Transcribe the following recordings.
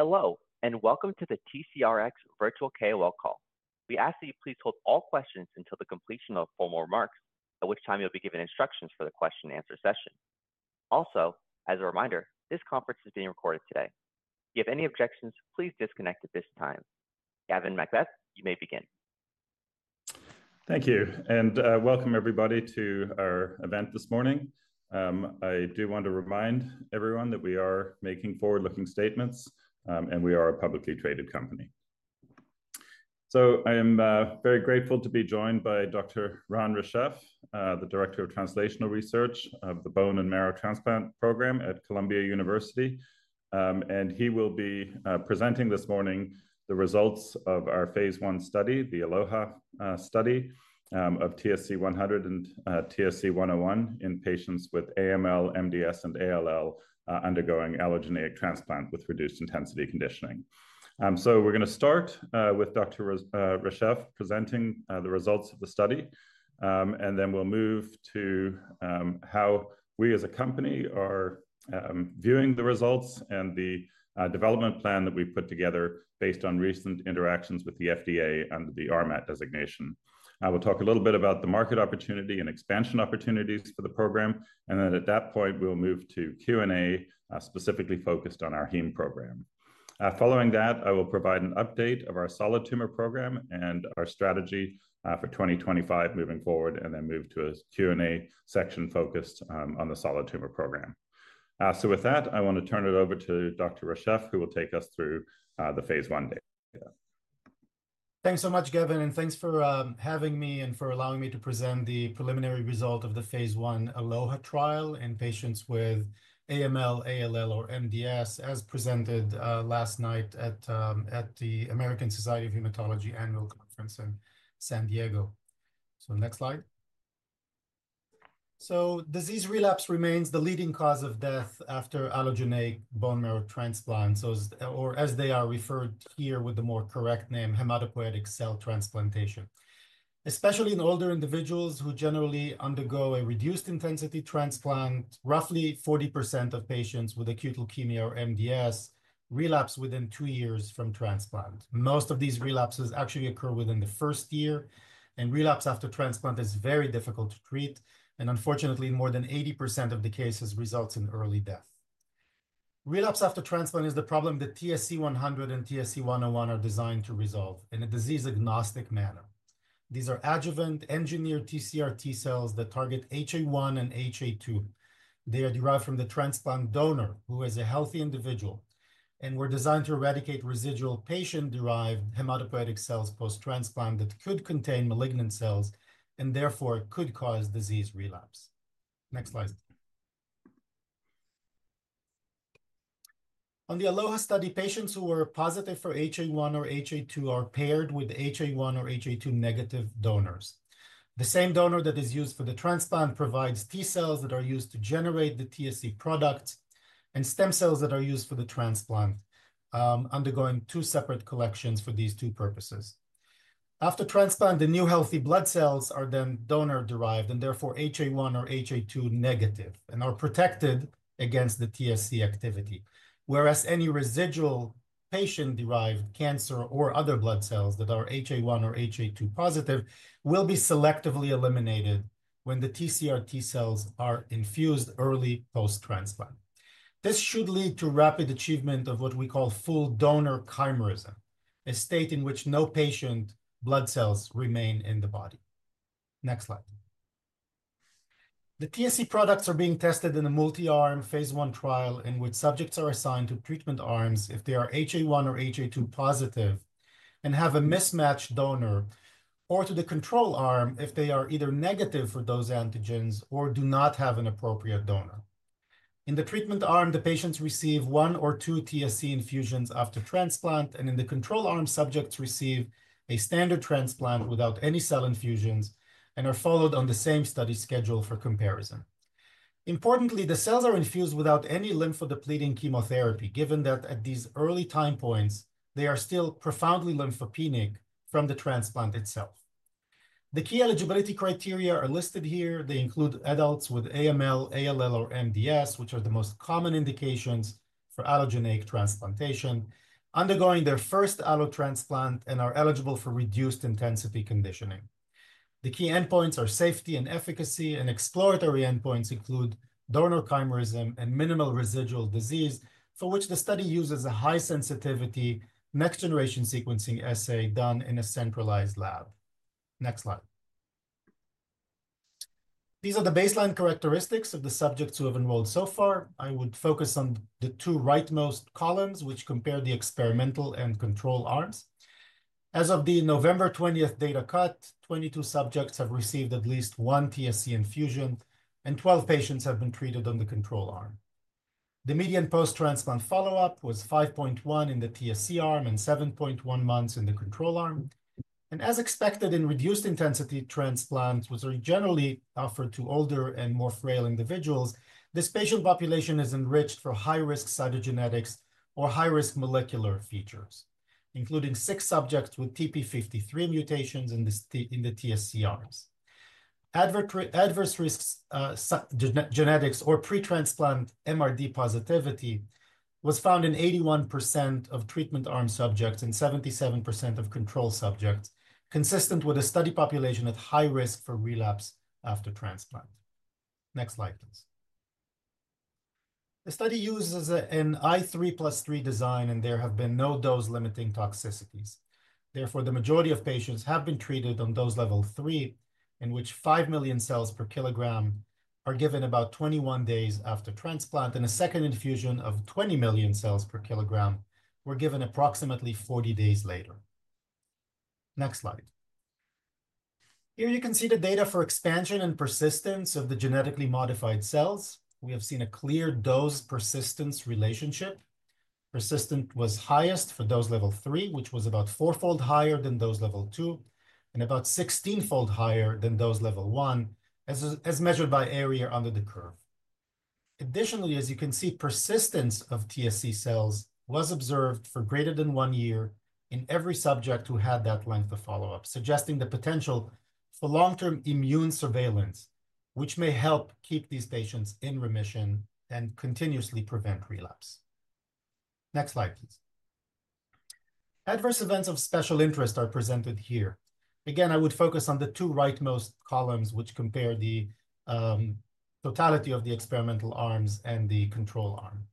Hello, and welcome to the TCRX Virtual KOL call. We ask that you please hold all questions until the completion of formal remarks, at which time you'll be given instructions for the question-and-answer session. Also, as a reminder, this conference is being recorded today. If you have any objections, please disconnect at this time. Gavin MacBeath, you may begin. Thank you, and welcome everybody to our event this morning. I do want to remind everyone that we are making forward-looking statements, and we are a publicly traded company. So I am very grateful to be joined by Dr. Ran Reshef, the Director of Translational Research of the Bone and Marrow Transplant Program at Columbia University. And he will be presenting this morning the results of our phase I study, the ALOHA study of TSC100 and TSC-101 in patients with AML, MDS, and ALL undergoing allogeneic transplant with reduced intensity conditioning. So we're going to start with Dr. Reshef presenting the results of the study, and then we'll move to how we as a company are viewing the results and the development plan that we've put together based on recent interactions with the FDA under the RMAT designation. I will talk a little bit about the market opportunity and expansion opportunities for the program, and then at that point, we'll move to Q&A specifically focused on our Heme program. Following that, I will provide an update of our solid tumor program and our strategy for 2025 moving forward, and then move to a Q&A section focused on the solid tumor program. So with that, I want to turn it over to Dr. Reshef, who will take us through the phase I data. Thanks so much, Gavin, and thanks for having me and for allowing me to present the preliminary result of the phase 1 ALOHA trial in patients with AML, ALL, or MDS, as presented last night at the American Society of Hematology Annual Conference in San Diego. Next slide. Disease relapse remains the leading cause of death after allogeneic bone marrow transplants, or as they are referred here with the more correct name, hematopoietic cell transplantation. Especially in older individuals who generally undergo a reduced intensity transplant, roughly 40% of patients with acute leukemia or MDS relapse within two years from transplant. Most of these relapses actually occur within the first year, and relapse after transplant is very difficult to treat, and unfortunately, in more than 80% of the cases, results in early death. Relapse after transplant is the problem that TSC100 and TSC101 are designed to resolve in a disease-agnostic manner. These are adjuvant engineered TCR-T cells that target HA1 and HA2. They are derived from the transplant donor who is a healthy individual, and were designed to eradicate residual patient-derived hematopoietic cells post-transplant that could contain malignant cells and therefore could cause disease relapse. Next slide. On the ALOHA study, patients who were positive for HA1 or HA2 are paired with HA1 or HA2 negative donors. The same donor that is used for the transplant provides T cells that are used to generate the TSC products and stem cells that are used for the transplant, undergoing two separate collections for these two purposes. After transplant, the new healthy blood cells are then donor-derived and therefore HA1 or HA2 negative and are protected against the TSC activity, whereas any residual patient-derived cancer or other blood cells that are HA1 or HA2 positive will be selectively eliminated when the TCR-T cells are infused early post-transplant. This should lead to rapid achievement of what we call full donor chimerism, a state in which no patient blood cells remain in the body. Next slide. The TSC products are being tested in a multi-arm phase 1 trial in which subjects are assigned to treatment arms if they are HA1 or HA2 positive and have a mismatched donor, or to the control arm if they are either negative for those antigens or do not have an appropriate donor. In the treatment arm, the patients receive one or two TSC infusions after transplant, and in the control arm, subjects receive a standard transplant without any cell infusions and are followed on the same study schedule for comparison. Importantly, the cells are infused without any lymphodepleting chemotherapy, given that at these early time points, they are still profoundly lymphopenic from the transplant itself. The key eligibility criteria are listed here. They include adults with AML, ALL, or MDS, which are the most common indications for allogeneic transplantation, undergoing their first allotransplant, and are eligible for reduced intensity conditioning. The key endpoints are safety and efficacy, and exploratory endpoints include donor chimerism and minimal residual disease, for which the study uses a high-sensitivity next-generation sequencing assay done in a centralized lab. Next slide. These are the baseline characteristics of the subjects who have enrolled so far. I would focus on the two rightmost columns, which compare the experimental and control arms. As of the November 20th data cut, 22 subjects have received at least one TSC infusion, and 12 patients have been treated on the control arm. The median post-transplant follow-up was 5.1 in the TSC arm and 7.1 months in the control arm, and as expected in reduced-intensity transplants, which are generally offered to older and more frail individuals, this patient population is enriched for high-risk cytogenetics or high-risk molecular features, including six subjects with TP53 mutations in the TSC arms. Adverse genetics or pretransplant MRD positivity was found in 81% of treatment arm subjects and 77% of control subjects, consistent with a study population at high risk for relapse after transplant. Next slide, please. The study uses a 3+3 design, and there have been no dose-limiting toxicities. Therefore, the majority of patients have been treated on dose level three, in which five million cells per kilogram are given about 21 days after transplant, and a second infusion of 20 million cells per kilogram were given approximately 40 days later. Next slide. Here you can see the data for expansion and persistence of the genetically modified cells. We have seen a clear dose-persistence relationship. Persistence was highest for dose level three, which was about four-fold higher than dose level two, and about 16-fold higher than dose level one, as measured by area under the curve. Additionally, as you can see, persistence of TSC cells was observed for greater than one year in every subject who had that length of follow-up, suggesting the potential for long-term immune surveillance, which may help keep these patients in remission and continuously prevent relapse. Next slide, please. Adverse events of special interest are presented here. Again, I would focus on the two rightmost columns, which compare the totality of the experimental arms and the control arm.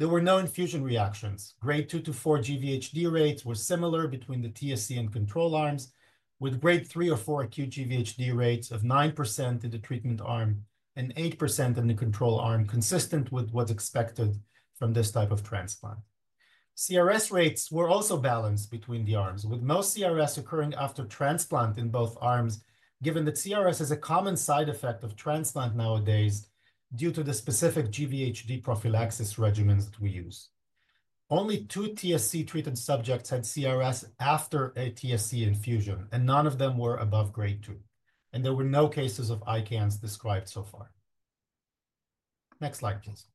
There were no infusion reactions. Grade 2 to 4 GVHD rates were similar between the TSC and control arms, with grade 3 or 4 acute GVHD rates of 9% in the treatment arm and 8% in the control arm, consistent with what's expected from this type of transplant. CRS rates were also balanced between the arms, with most CRS occurring after transplant in both arms, given that CRS is a common side effect of transplant nowadays due to the specific GVHD prophylaxis regimens that we use. Only two TSC-treated subjects had CRS after a TSC infusion, and none of them were above grade 2, and there were no cases of ICANS described so far. Next slide, please.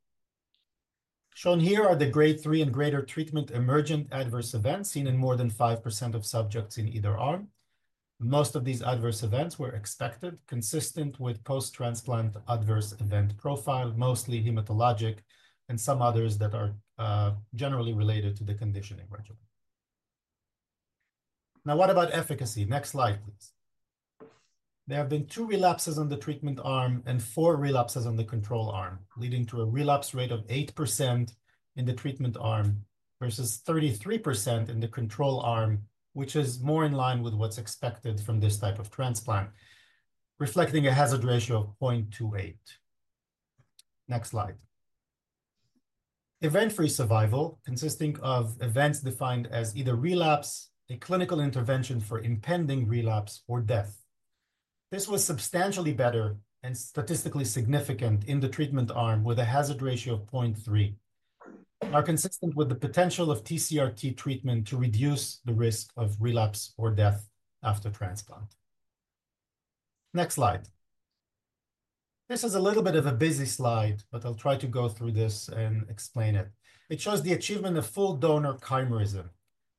Shown here are the grade 3 and greater treatment emergent adverse events seen in more than 5% of subjects in either arm. Most of these adverse events were expected, consistent with post-transplant adverse event profile, mostly hematologic and some others that are generally related to the conditioning regimen. Now, what about efficacy? Next slide, please. There have been two relapses on the treatment arm and four relapses on the control arm, leading to a relapse rate of 8% in the treatment arm versus 33% in the control arm, which is more in line with what's expected from this type of transplant, reflecting a hazard ratio of 0.28. Next slide. Event-free survival, consisting of events defined as either relapse, a clinical intervention for impending relapse, or death. This was substantially better and statistically significant in the treatment arm with a hazard ratio of 0.3, consistent with the potential of TCR-T treatment to reduce the risk of relapse or death after transplant. Next slide. This is a little bit of a busy slide, but I'll try to go through this and explain it. It shows the achievement of full donor chimerism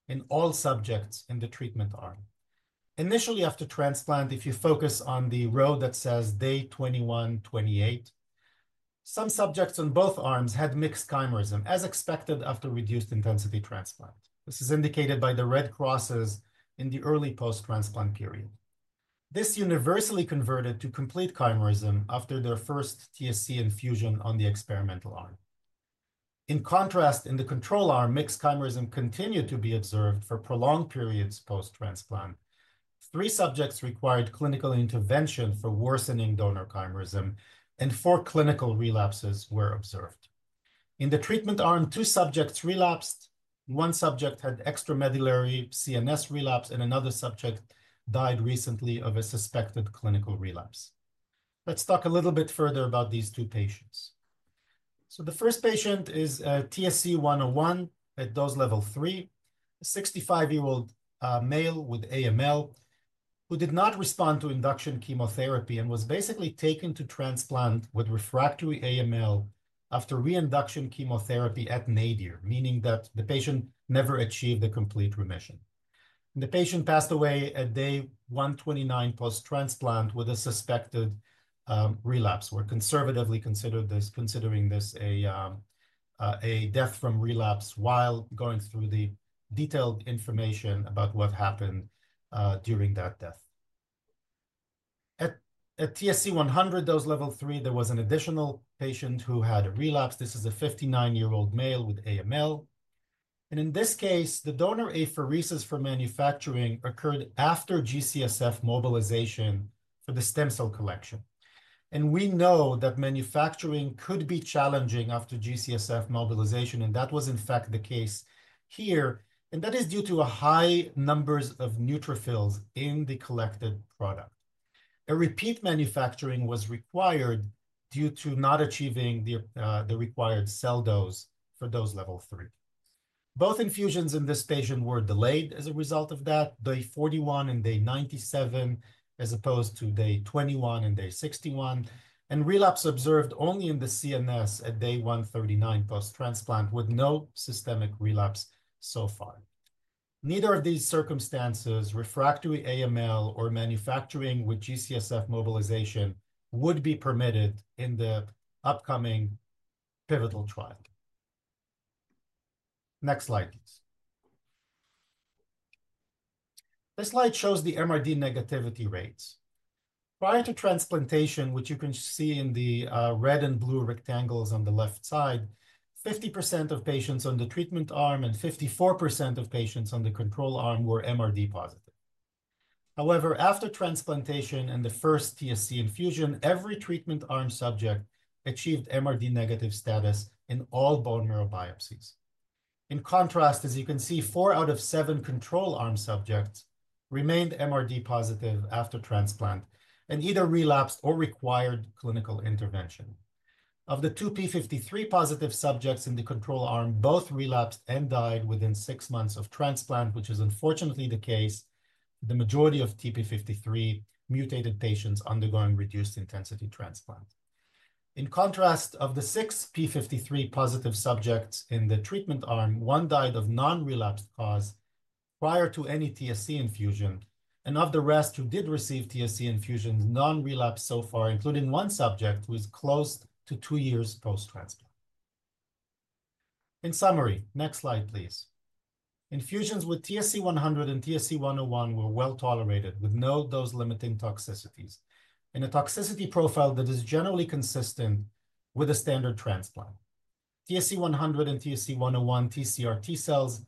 in all subjects in the treatment arm. Initially, after transplant, if you focus on the row that says day 21-28, some subjects on both arms had mixed chimerism, as expected after reduced-intensity transplant. This is indicated by the red crosses in the early post-transplant period. This universally converted to complete chimerism after their first TSC infusion on the experimental arm. In contrast, in the control arm, mixed chimerism continued to be observed for prolonged periods post-transplant. Three subjects required clinical intervention for worsening donor chimerism, and four clinical relapses were observed. In the treatment arm, two subjects relapsed. One subject had extramedullary CNS relapse, and another subject died recently of a suspected clinical relapse. Let's talk a little bit further about these two patients, so the first patient is TSC101 at dose level three, a 65-year-old male with AML who did not respond to induction chemotherapy and was basically taken to transplant with refractory AML after reinduction chemotherapy at nadir, meaning that the patient never achieved a complete remission, and the patient passed away at day 129 post-transplant with a suspected relapse. We're conservatively considering this a death from relapse while going through the detailed information about what happened during that death. At TSC100, dose level three, there was an additional patient who had a relapse. This is a 59-year-old male with AML. And in this case, the donor apheresis for manufacturing occurred after G-CSF mobilization for the stem cell collection. And we know that manufacturing could be challenging after G-CSF mobilization, and that was, in fact, the case here. And that is due to a high number of neutrophils in the collected product. A repeat manufacturing was required due to not achieving the required cell dose for dose level three. Both infusions in this patient were delayed as a result of that, day 41 and day 97, as opposed to day 21 and day 61. And relapse observed only in the CNS at day 139 post-transplant with no systemic relapse so far. Neither of these circumstances, refractory AML or manufacturing with G-CSF mobilization, would be permitted in the upcoming pivotal trial. Next slide, please. This slide shows the MRD negativity rates. Prior to transplantation, which you can see in the red and blue rectangles on the left side, 50% of patients on the treatment arm and 54% of patients on the control arm were MRD positive. However, after transplantation and the first TSC infusion, every treatment arm subject achieved MRD negative status in all bone marrow biopsies. In contrast, as you can see, four out of seven control arm subjects remained MRD positive after transplant and either relapsed or required clinical intervention. Of the two TP53 positive subjects in the control arm, both relapsed and died within six months of transplant, which is unfortunately the case for the majority of TP53 mutated patients undergoing reduced-intensity transplant. In contrast, of the six TP53 positive subjects in the treatment arm, one died of non-relapsed cause prior to any TSC infusion, and of the rest who did receive TSC infusions, none relapsed so far, including one subject who is close to two years post-transplant. In summary, next slide, please. Infusions with TSC100 and TSC101 were well tolerated with no dose-limiting toxicities in a toxicity profile that is generally consistent with a standard transplant. TSC100 and TSC101 TCR-T cells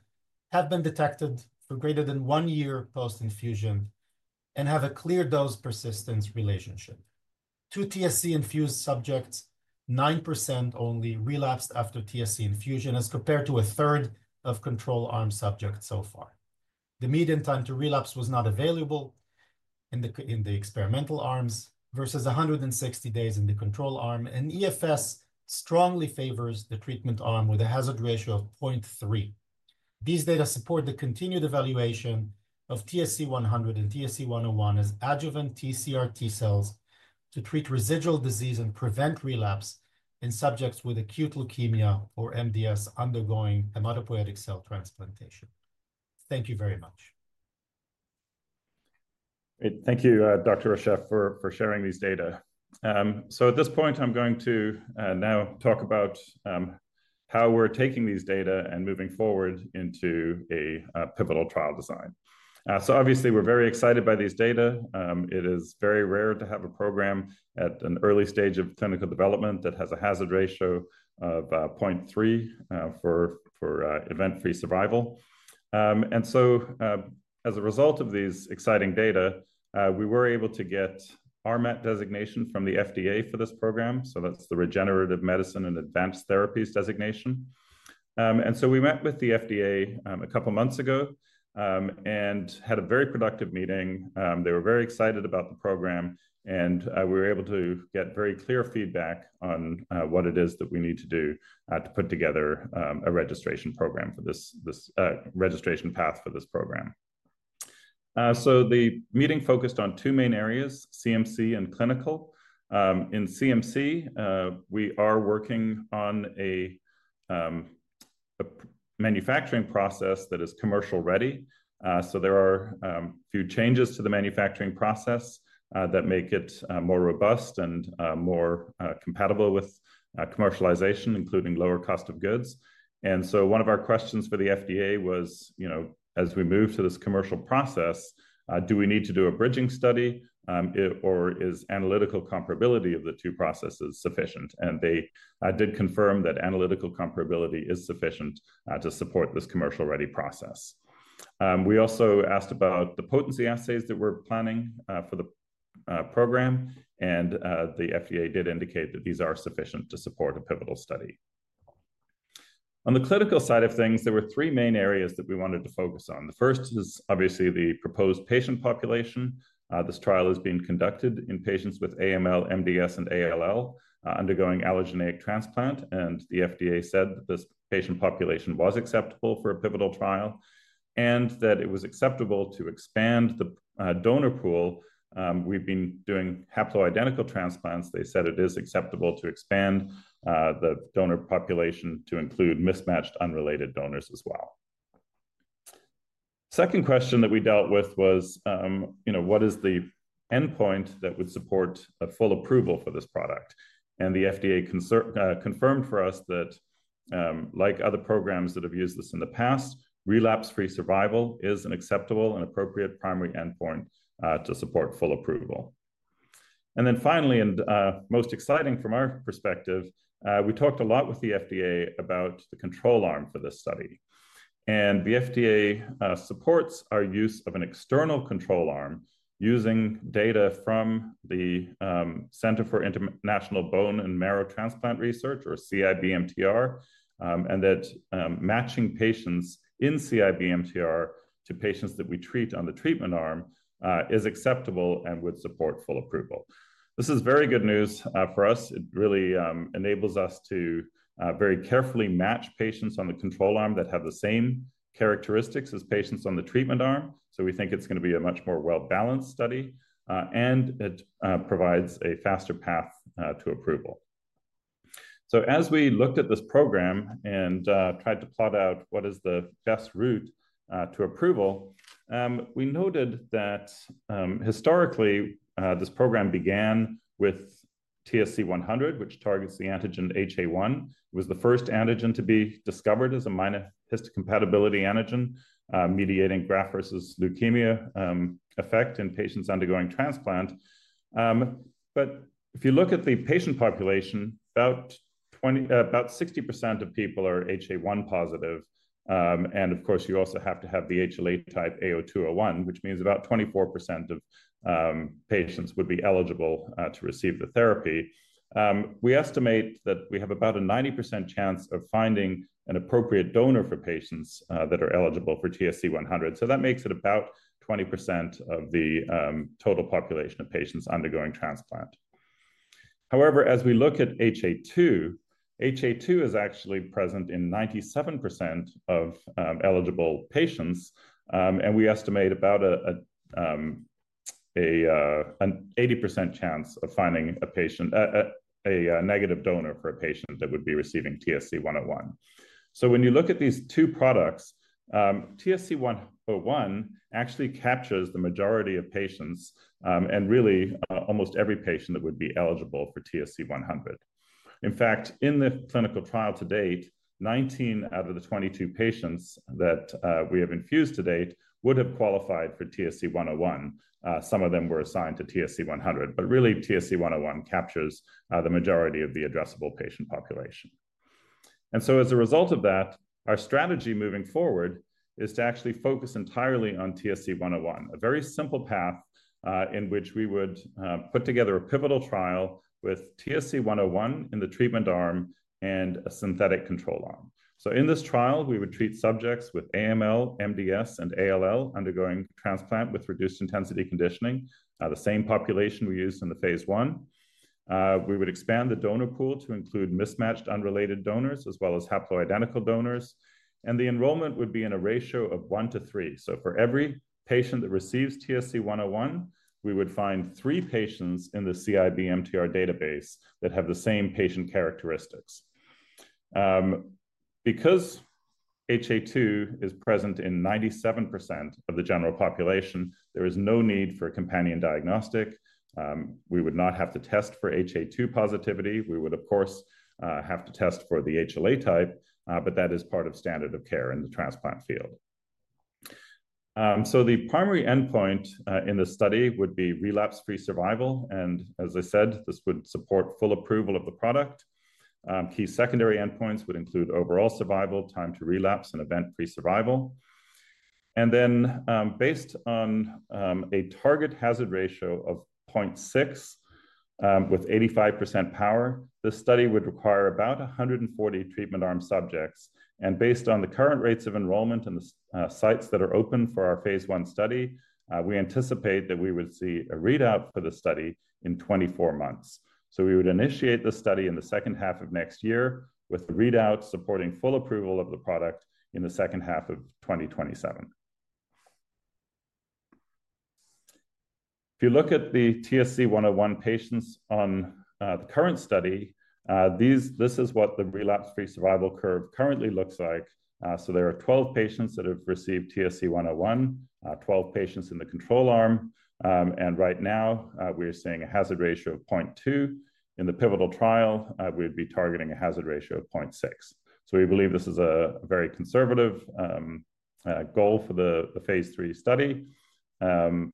have been detected for greater than one year post-infusion and have a clear dose-persistence relationship. Two TSC-infused subjects, 9% only, relapsed after TSC infusion as compared to a third of control arm subjects so far. The median time to relapse was not available in the experimental arms versus 160 days in the control arm. EFS strongly favors the treatment arm with a hazard ratio of 0.3. These data support the continued evaluation of TSC-100 and TSC-101 as adjuvant TCR-T cells to treat residual disease and prevent relapse in subjects with acute leukemia or MDS undergoing hematopoietic cell transplantation. Thank you very much. Great. Thank you, Dr. Reshef, for sharing these data, so at this point, I'm going to now talk about how we're taking these data and moving forward into a pivotal trial design. So obviously, we're very excited by these data. It is very rare to have a program at an early stage of clinical development that has a hazard ratio of 0.3 for event-free survival, and so as a result of these exciting data, we were able to get RMAT designation from the FDA for this program. So that's the Regenerative Medicine and Advanced Therapies designation, and so we met with the FDA a couple of months ago and had a very productive meeting. They were very excited about the program, and we were able to get very clear feedback on what it is that we need to do to put together a registration program for this registration path for this program. So the meeting focused on two main areas, CMC and clinical. In CMC, we are working on a manufacturing process that is commercial-ready. So there are a few changes to the manufacturing process that make it more robust and more compatible with commercialization, including lower cost of goods. And so one of our questions for the FDA was, as we move to this commercial process, do we need to do a bridging study, or is analytical comparability of the two processes sufficient? And they did confirm that analytical comparability is sufficient to support this commercial-ready process. We also asked about the potency assays that we're planning for the program, and the FDA did indicate that these are sufficient to support a pivotal study. On the clinical side of things, there were three main areas that we wanted to focus on. The first is obviously the proposed patient population. This trial is being conducted in patients with AML, MDS, and ALL undergoing allogeneic transplant. And the FDA said that this patient population was acceptable for a pivotal trial and that it was acceptable to expand the donor pool. We've been doing haploidentical transplants. They said it is acceptable to expand the donor population to include mismatched unrelated donors as well. Second question that we dealt with was, what is the endpoint that would support a full approval for this product? The FDA confirmed for us that, like other programs that have used this in the past, relapse-free survival is an acceptable and appropriate primary endpoint to support full approval. Finally, and most exciting from our perspective, we talked a lot with the FDA about the control arm for this study. The FDA supports our use of an external control arm using data from the Center for International Blood and Marrow Transplant Research, or CIBMTR, and that matching patients in CIBMTR to patients that we treat on the treatment arm is acceptable and would support full approval. This is very good news for us. It really enables us to very carefully match patients on the control arm that have the same characteristics as patients on the treatment arm. So we think it's going to be a much more well-balanced study, and it provides a faster path to approval. So as we looked at this program and tried to plot out what is the best route to approval, we noted that historically, this program began with TSC100, which targets the antigen HA1. It was the first antigen to be discovered as a minor histocompatibility antigen mediating graft versus leukemia effect in patients undergoing transplant. But if you look at the patient population, about 60% of people are HA1 positive. And of course, you also have to have the HLA type A*02:01, which means about 24% of patients would be eligible to receive the therapy. We estimate that we have about a 90% chance of finding an appropriate donor for patients that are eligible for TSC100. So that makes it about 20% of the total population of patients undergoing transplant. However, as we look at HA2, HA2 is actually present in 97% of eligible patients, and we estimate about an 80% chance of finding a negative donor for a patient that would be receiving TSC101, so when you look at these two products, TSC101 actually captures the majority of patients and really almost every patient that would be eligible for TSC100. In fact, in the clinical trial to date, 19 out of the 22 patients that we have infused to date would have qualified for TSC101. Some of them were assigned to TSC100, but really, TSC101 captures the majority of the addressable patient population, and so as a result of that, our strategy moving forward is to actually focus entirely on TSC101, a very simple path in which we would put together a pivotal trial with TSC101 in the treatment arm and a synthetic control arm. So in this trial, we would treat subjects with AML, MDS, and ALL undergoing transplant with reduced-intensity conditioning, the same population we used in the phase one. We would expand the donor pool to include mismatched unrelated donors as well as haploidentical donors. And the enrollment would be in a ratio of one to three. So for every patient that receives TSC101, we would find three patients in the CIBMTR database that have the same patient characteristics. Because HA2 is present in 97% of the general population, there is no need for companion diagnostic. We would not have to test for HA2 positivity. We would, of course, have to test for the HLA type, but that is part of standard of care in the transplant field. So the primary endpoint in the study would be relapse-free survival. And as I said, this would support full approval of the product. Key secondary endpoints would include overall survival, time to relapse, and event-free survival. Then, based on a target hazard ratio of 0.6 with 85% power, this study would require about 140 treatment arm subjects. Based on the current rates of enrollment in the sites that are open for our phase 1 study, we anticipate that we would see a readout for the study in 24 months. We would initiate the study in the second half of next year with the readout supporting full approval of the product in the second half of 2027. If you look at the TSC101 patients on the current study, this is what the relapse-free survival curve currently looks like. There are 12 patients that have received TSC101, 12 patients in the control arm. Right now, we're seeing a hazard ratio of 0.2. In the pivotal trial, we'd be targeting a hazard ratio of 0.6. We believe this is a very conservative goal for the phase three study and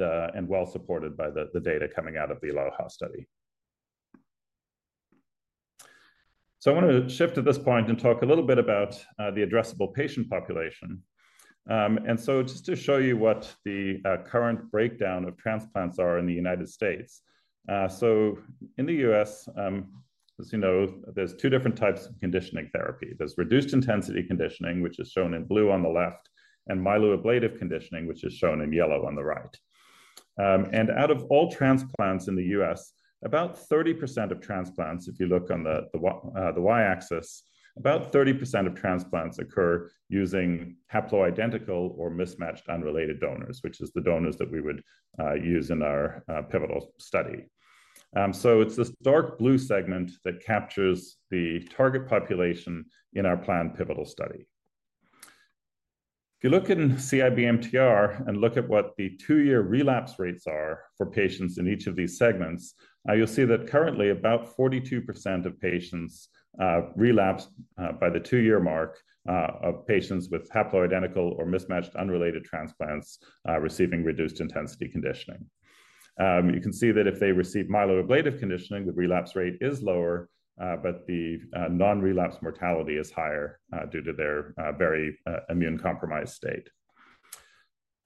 well supported by the data coming out of the ALOHA study. I want to shift at this point and talk a little bit about the addressable patient population. Just to show you what the current breakdown of transplants are in the United States. In the U.S., as you know, there's two different types of conditioning therapy. There's reduced-intensity conditioning, which is shown in blue on the left, and myeloablative conditioning, which is shown in yellow on the right. Out of all transplants in the U.S., about 30% of transplants, if you look on the Y-axis, about 30% of transplants occur using haploidentical or mismatched unrelated donors, which is the donors that we would use in our pivotal study. It's this dark blue segment that captures the target population in our planned pivotal study. If you look in CIBMTR and look at what the two-year relapse rates are for patients in each of these segments, you'll see that currently about 42% of patients relapse by the two-year mark of patients with haploidentical or mismatched unrelated transplants receiving reduced-intensity conditioning. You can see that if they receive myeloablative conditioning, the relapse rate is lower, but the non-relapse mortality is higher due to their very immunocompromised state.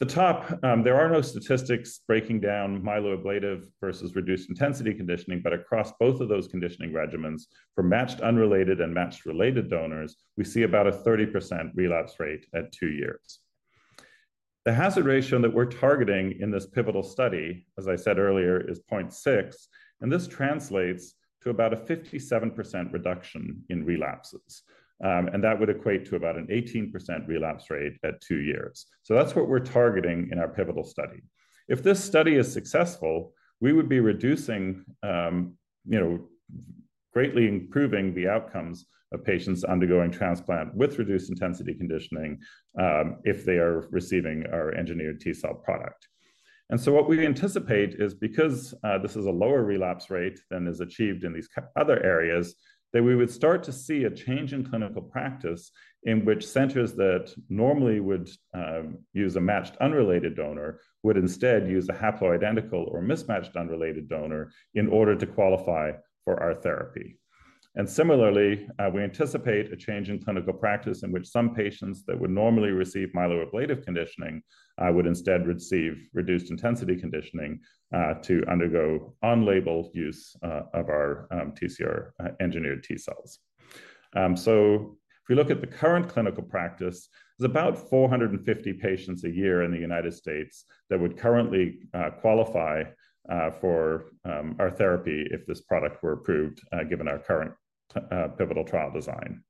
There are no statistics breaking down myeloablative versus reduced-intensity conditioning, but across both of those conditioning regimens for matched unrelated and matched related donors, we see about a 30% relapse rate at two years. The hazard ratio that we're targeting in this pivotal study, as I said earlier, is 0.6, and this translates to about a 57% reduction in relapses. That would equate to about an 18% relapse rate at two years. So that's what we're targeting in our pivotal study. If this study is successful, we would be greatly improving the outcomes of patients undergoing transplant with reduced-intensity conditioning if they are receiving our engineered T cell product. And so what we anticipate is because this is a lower relapse rate than is achieved in these other areas, that we would start to see a change in clinical practice in which centers that normally would use a matched unrelated donor would instead use a haploidentical or mismatched unrelated donor in order to qualify for our therapy. And similarly, we anticipate a change in clinical practice in which some patients that would normally receive myeloablative conditioning would instead receive reduced-intensity conditioning to undergo unlabeled use of our TCR engineered T cells. So if we look at the current clinical practice, there's about 450 patients a year in the United States that would currently qualify for our therapy if this product were approved given our current pivotal trial design.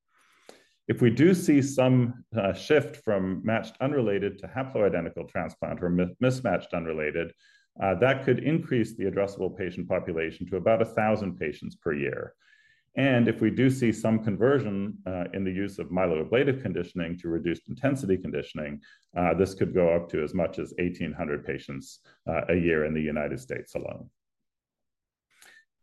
If we do see some shift from matched unrelated to haploidentical transplant or mismatched unrelated, that could increase the addressable patient population to about 1,000 patients per year. And if we do see some conversion in the use of myeloablative conditioning to reduced-intensity conditioning, this could go up to as much as 1,800 patients a year in the United States alone.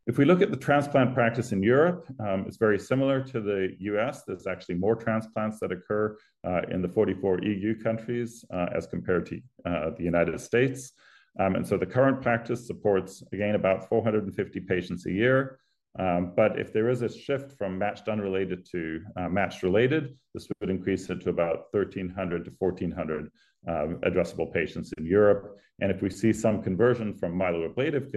If we look at the transplant practice in Europe, it's very similar to the U.S. There's actually more transplants that occur in the 44 EU countries as compared to the United States. And so the current practice supports, again, about 450 patients a year. But if there is a shift from matched unrelated to matched related, this would increase it to about 1,300 to 1,400 addressable patients in Europe. And if we see some conversion from myeloablative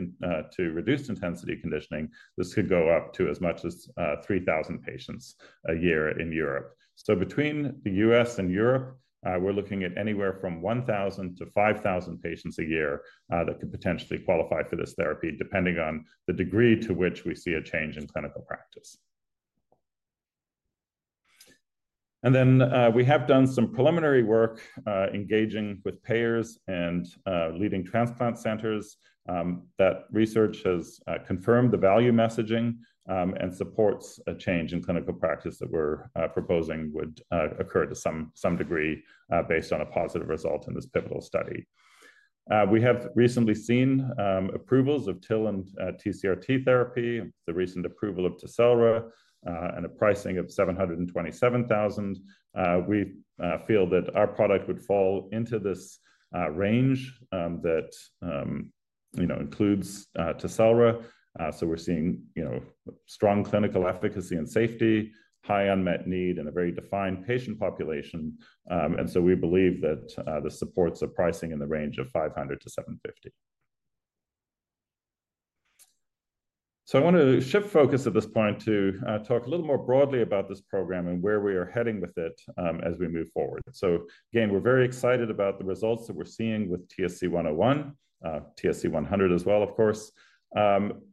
to reduced-intensity conditioning, this could go up to as much as 3,000 patients a year in Europe. So between the U.S. and Europe, we're looking at anywhere from 1,000 to 5,000 patients a year that could potentially qualify for this therapy depending on the degree to which we see a change in clinical practice. And then we have done some preliminary work engaging with payers and leading transplant centers that research has confirmed the value messaging and supports a change in clinical practice that we're proposing would occur to some degree based on a positive result in this pivotal study. We have recently seen approvals of TIL and TCR-T therapy, the recent approval of Tecelra, and a pricing of $727,000. We feel that our product would fall into this range that includes Tecelra. So we're seeing strong clinical efficacy and safety, high unmet need, and a very defined patient population. And so we believe that this supports a pricing in the range of $500,000-$750,000. So I want to shift focus at this point to talk a little more broadly about this program and where we are heading with it as we move forward. So again, we're very excited about the results that we're seeing with TSC101, TSC100 as well, of course. But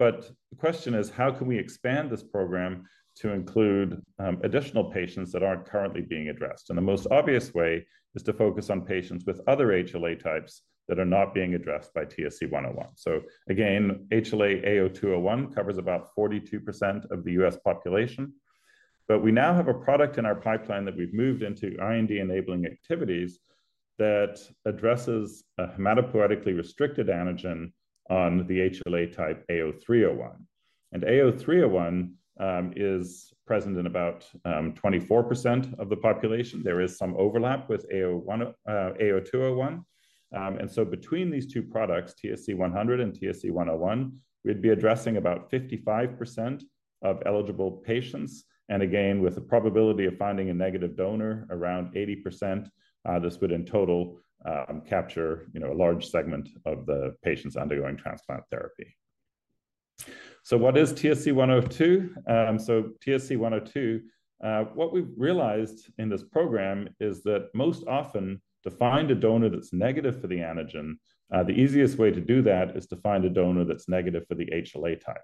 the question is, how can we expand this program to include additional patients that aren't currently being addressed? The most obvious way is to focus on patients with other HLA types that are not being addressed by TSC101. So again, HLA-A*02:01 covers about 42% of the U.S. population. But we now have a product in our pipeline that we've moved into R&D enabling activities that addresses a hematopoietic restricted antigen on the HLA type HLA-A*03:01. And HLA-A*03:01 is present in about 24% of the population. There is some overlap with HLA-A*02:01. And so between these two products, TSC100 and TSC101, we'd be addressing about 55% of eligible patients. And again, with a probability of finding a negative donor around 80%, this would in total capture a large segment of the patients undergoing transplant therapy. So what is TSC102? TSC102, what we've realized in this program is that most often, to find a donor that's negative for the antigen, the easiest way to do that is to find a donor that's negative for the HLA type.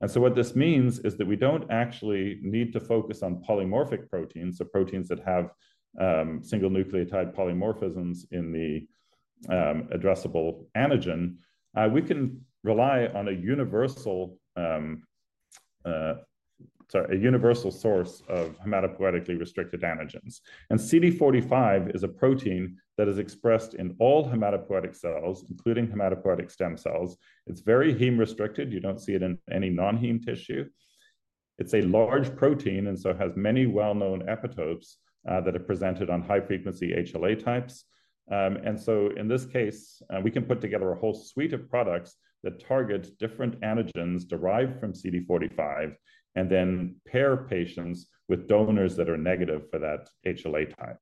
And so what this means is that we don't actually need to focus on polymorphic proteins, so proteins that have single nucleotide polymorphisms in the addressable antigen. We can rely on a universal source of hematopoietically restricted antigens. And CD45 is a protein that is expressed in all hematopoietic cells, including hematopoietic stem cells. It's very hematopoietic-restricted. You don't see it in any non-hematopoietic tissue. It's a large protein and so has many well-known epitopes that are presented on high-frequency HLA types. In this case, we can put together a whole suite of products that target different antigens derived from CD45 and then pair patients with donors that are negative for that HLA type.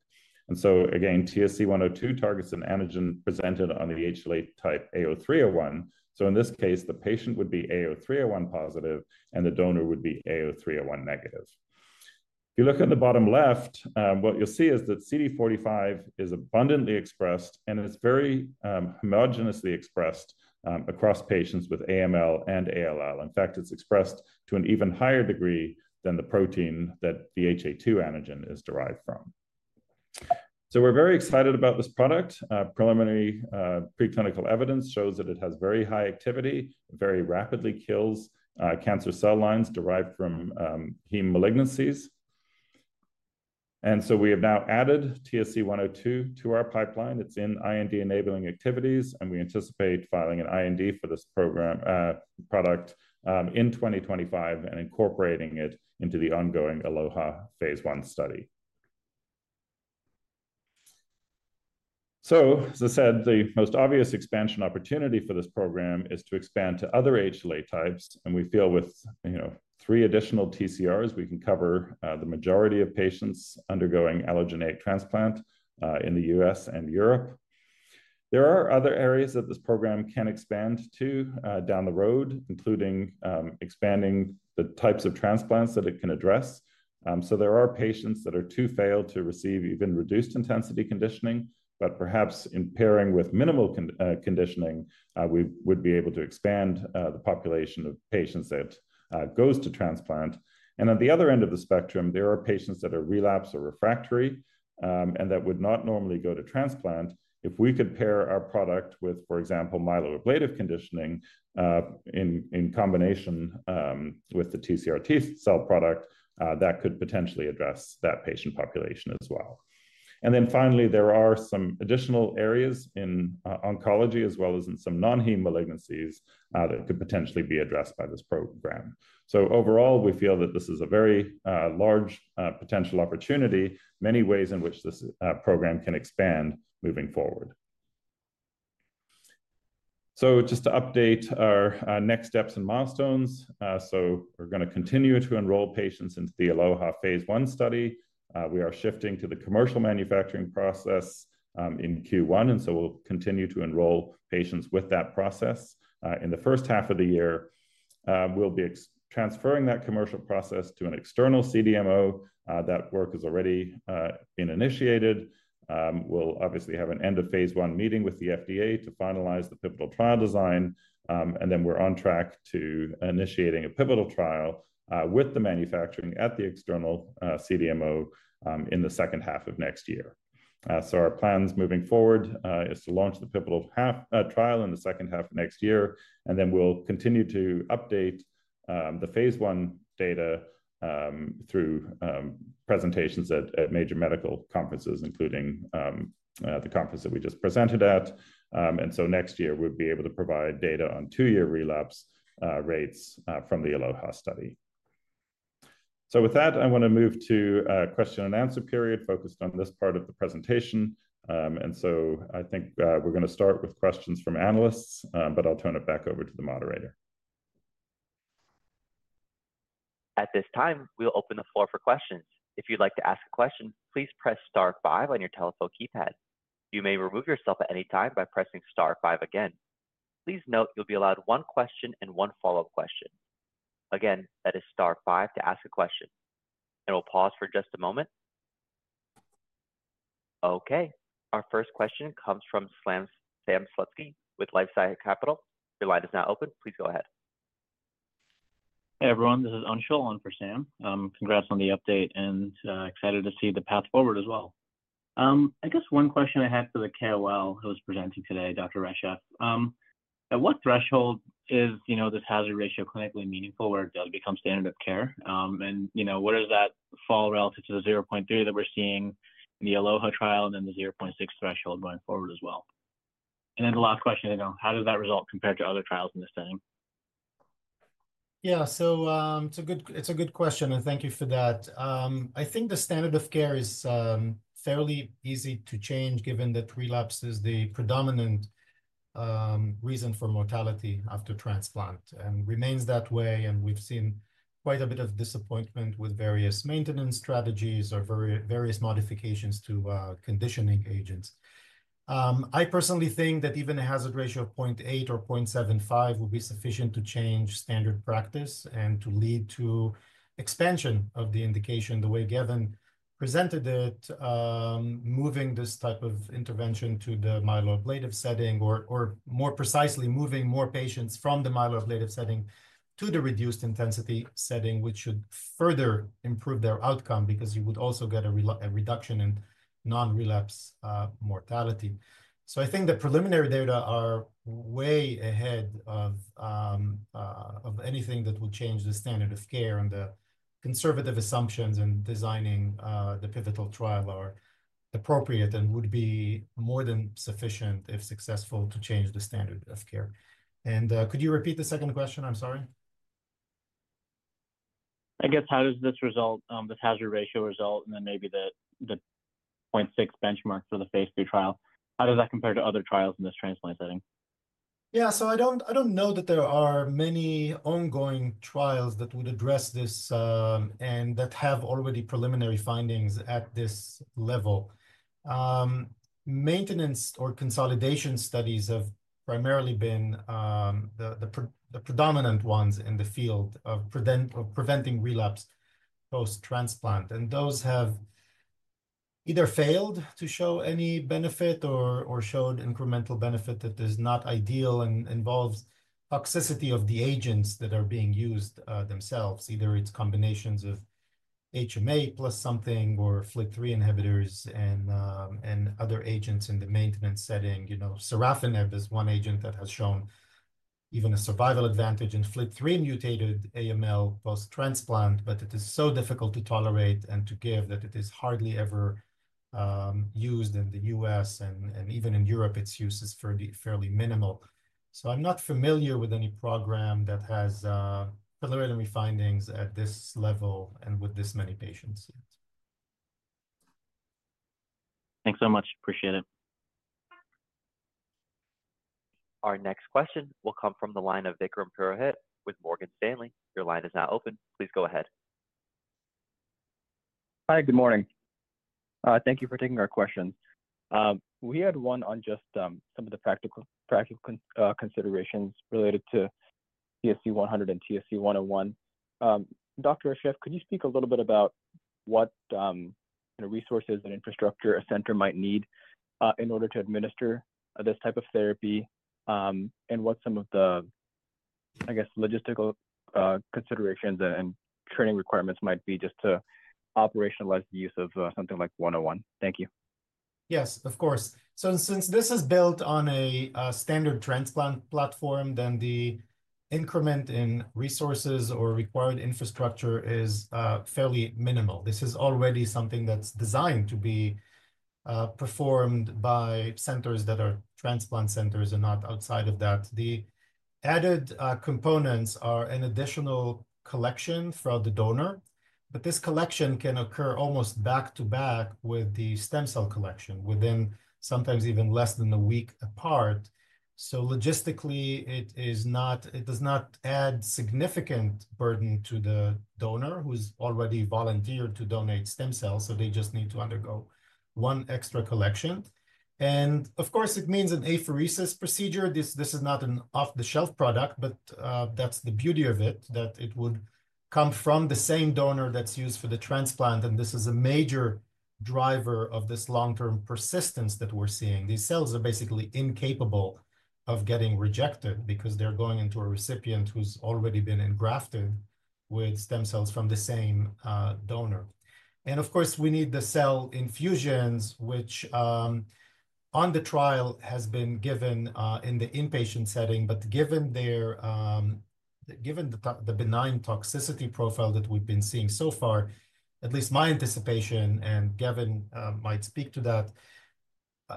Again, TSC102 targets an antigen presented on the HLA type A*03:01. In this case, the patient would be A*03:01 positive and the donor would be A*03:01 negative. If you look on the bottom left, what you'll see is that CD45 is abundantly expressed and it's very homogeneously expressed across patients with AML and ALL. In fact, it's expressed to an even higher degree than the protein that the HA2 antigen is derived from. We're very excited about this product. Preliminary preclinical evidence shows that it has very high activity, very rapidly kills cancer cell lines derived from heme malignancies. We have now added TSC102 to our pipeline. It's in IND enabling activities, and we anticipate filing an IND for this product in 2025 and incorporating it into the ongoing ALOHA phase 1 study, so as I said, the most obvious expansion opportunity for this program is to expand to other HLA types, and we feel with three additional TCRs, we can cover the majority of patients undergoing allogeneic transplant in the US and Europe. There are other areas that this program can expand to down the road, including expanding the types of transplants that it can address, so there are patients that are too frail to receive even reduced-intensity conditioning, but perhaps in pairing with minimal conditioning, we would be able to expand the population of patients that goes to transplant, and at the other end of the spectrum, there are patients that are relapsed or refractory and that would not normally go to transplant. If we could pair our product with, for example, myeloablative conditioning in combination with the TCR-T cell product, that could potentially address that patient population as well. And then finally, there are some additional areas in oncology as well as in some non-hematologic malignancies that could potentially be addressed by this program. So overall, we feel that this is a very large potential opportunity, many ways in which this program can expand moving forward. So just to update our next steps and milestones, so we're going to continue to enroll patients in the ALOHA phase 1 study. We are shifting to the commercial manufacturing process in Q1, and so we'll continue to enroll patients with that process in the first half of the year. We'll be transferring that commercial process to an external CDMO. That work is already being initiated. We'll obviously have an end of phase one meeting with the FDA to finalize the pivotal trial design. And then we're on track to initiating a pivotal trial with the manufacturing at the external CDMO in the second half of next year. So our plans moving forward is to launch the pivotal trial in the second half of next year. And then we'll continue to update the phase one data through presentations at major medical conferences, including the conference that we just presented at. And so next year, we'd be able to provide data on two-year relapse rates from the ALOHA study. So with that, I want to move to a question and answer period focused on this part of the presentation. And so I think we're going to start with questions from analysts, but I'll turn it back over to the moderator. At this time, we'll open the floor for questions. If you'd like to ask a question, please press Star 5 on your telephone keypad. You may remove yourself at any time by pressing Star 5 again. Please note you'll be allowed one question and one follow-up question. Again, that is Star 5 to ask a question, and we'll pause for just a moment. Okay. Our first question comes from Sam Slutsky with LifeSci Capital. Your line is now open. Please go ahead. Hey, everyone. This is Anshul for Sam. Congrats on the update and excited to see the path forward as well. I guess one question I had for the KOL who was presenting today, Dr. Reshef, at what threshold is this hazard ratio clinically meaningful where it does become standard of care? And what does that fall relative to the 0.3 that we're seeing in the ALOHA trial and then the 0.6 threshold going forward as well? And then the last question, how does that result compared to other trials in this setting? Yeah, so it's a good question, and thank you for that. I think the standard of care is fairly easy to change given that relapse is the predominant reason for mortality after transplant and remains that way, and we've seen quite a bit of disappointment with various maintenance strategies or various modifications to conditioning agents. I personally think that even a hazard ratio of 0.8 or 0.75 will be sufficient to change standard practice and to lead to expansion of the indication the way Gavin presented it, moving this type of intervention to the myeloablative setting or more precisely moving more patients from the myeloablative setting to the reduced-intensity setting, which should further improve their outcome because you would also get a reduction in non-relapse mortality. So, I think the preliminary data are way ahead of anything that would change the standard of care, and the conservative assumptions and designing the pivotal trial are appropriate and would be more than sufficient if successful to change the standard of care. And could you repeat the second question? I'm sorry. I guess how does this result, this hazard ratio result and then maybe the 0.6 benchmark for the phase 3 trial, how does that compare to other trials in this transplant setting? Yeah, so I don't know that there are many ongoing trials that would address this and that have already preliminary findings at this level. Maintenance or consolidation studies have primarily been the predominant ones in the field of preventing relapse post-transplant. And those have either failed to show any benefit or showed incremental benefit that is not ideal and involves toxicity of the agents that are being used themselves. Either it's combinations of HMA plus something or FLT3 inhibitors and other agents in the maintenance setting. Sorafenib is one agent that has shown even a survival advantage in FLT3 mutated AML post-transplant, but it is so difficult to tolerate and to give that it is hardly ever used in the U.S. and even in Europe, its use is fairly minimal. So I'm not familiar with any program that has preliminary findings at this level and with this many patients. Thanks so much. Appreciate it. Our next question will come from the line of Vikram Purohit with Morgan Stanley. Your line is now open. Please go ahead. Hi, good morning. Thank you for taking our questions. We had one on just some of the practical considerations related to TSC100 and TSC101. Dr. Reshef, could you speak a little bit about what resources and infrastructure a center might need in order to administer this type of therapy and what some of the, I guess, logistical considerations and training requirements might be just to operationalize the use of something like 101? Thank you. Yes, of course. So since this is built on a standard transplant platform, then the increment in resources or required infrastructure is fairly minimal. This is already something that's designed to be performed by centers that are transplant centers and not outside of that. The added components are an additional collection from the donor, but this collection can occur almost back to back with the stem cell collection within sometimes even less than a week apart. So logistically, it does not add significant burden to the donor who's already volunteered to donate stem cells. So they just need to undergo one extra collection. And of course, it means an apheresis procedure. This is not an off-the-shelf product, but that's the beauty of it, that it would come from the same donor that's used for the transplant. And this is a major driver of this long-term persistence that we're seeing. These cells are basically incapable of getting rejected because they're going into a recipient who's already been engrafted with stem cells from the same donor. Of course, we need the cell infusions, which on the trial has been given in the inpatient setting. Given the benign toxicity profile that we've been seeing so far, at least my anticipation, and Gavin might speak to that,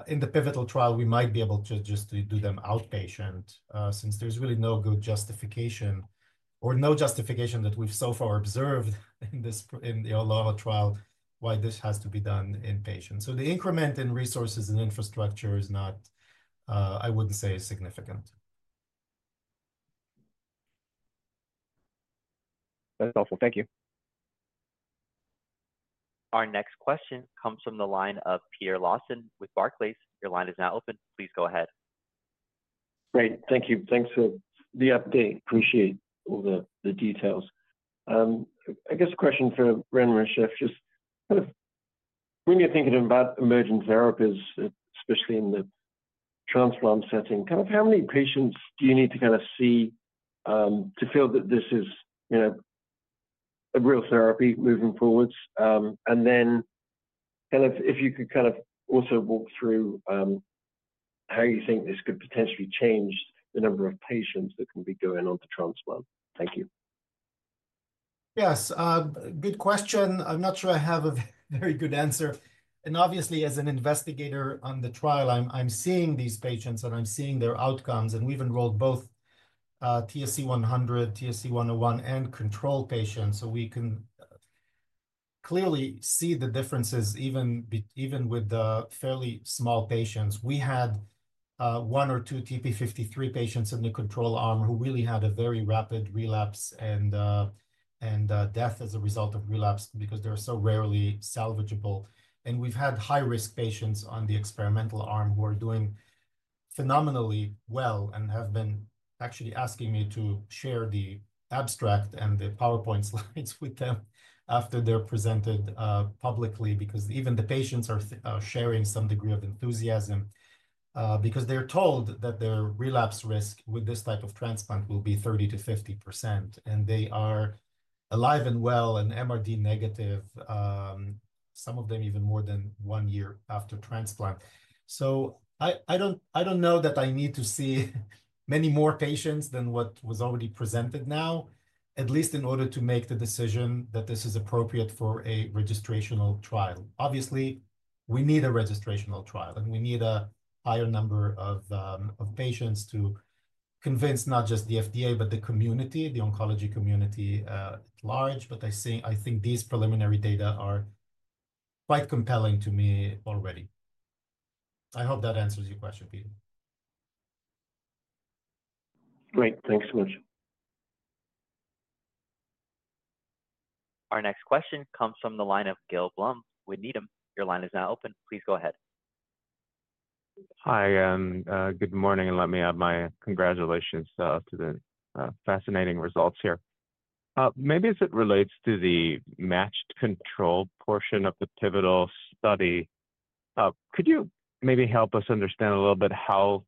in the pivotal trial, we might be able to just do them outpatient since there's really no good justification or no justification that we've so far observed in the ALOHA trial why this has to be done in patients. The increment in resources and infrastructure is not, I wouldn't say, significant. That's awesome. Thank you. Our next question comes from the line of Peter Lawson with Barclays. Your line is now open. Please go ahead. Great. Thank you. Thanks for the update. Appreciate all the details. I guess a question for Ran Reshef, just kind of when you're thinking about emerging therapies, especially in the transplant setting, kind of how many patients do you need to kind of see to feel that this is a real therapy moving forward? And then kind of if you could kind of also walk through how you think this could potentially change the number of patients that can be going on to transplant. Thank you. Yes, good question. I'm not sure I have a very good answer. And obviously, as an investigator on the trial, I'm seeing these patients and I'm seeing their outcomes. And we've enrolled both TSC100, TSC101, and control patients. So we can clearly see the differences even with the fairly small patients. We had one or two TP53 patients in the control arm who really had a very rapid relapse and death as a result of relapse because they're so rarely salvageable. And we've had high-risk patients on the experimental arm who are doing phenomenally well and have been actually asking me to share the abstract and the PowerPoint slides with them after they're presented publicly because even the patients are sharing some degree of enthusiasm because they're told that their relapse risk with this type of transplant will be 30%-50%. They are alive and well and MRD negative, some of them even more than one year after transplant. So I don't know that I need to see many more patients than what was already presented now, at least in order to make the decision that this is appropriate for a registrational trial. Obviously, we need a registrational trial and we need a higher number of patients to convince not just the FDA, but the community, the oncology community at large. But I think these preliminary data are quite compelling to me already. I hope that answers your question, Peter. Great. Thanks so much. Our next question comes from the line of Gil Blum. We need him. Your line is now open. Please go ahead. Hi, and good morning. And let me add my congratulations to the fascinating results here. Maybe as it relates to the matched control portion of the pivotal study, could you maybe help us understand a little bit how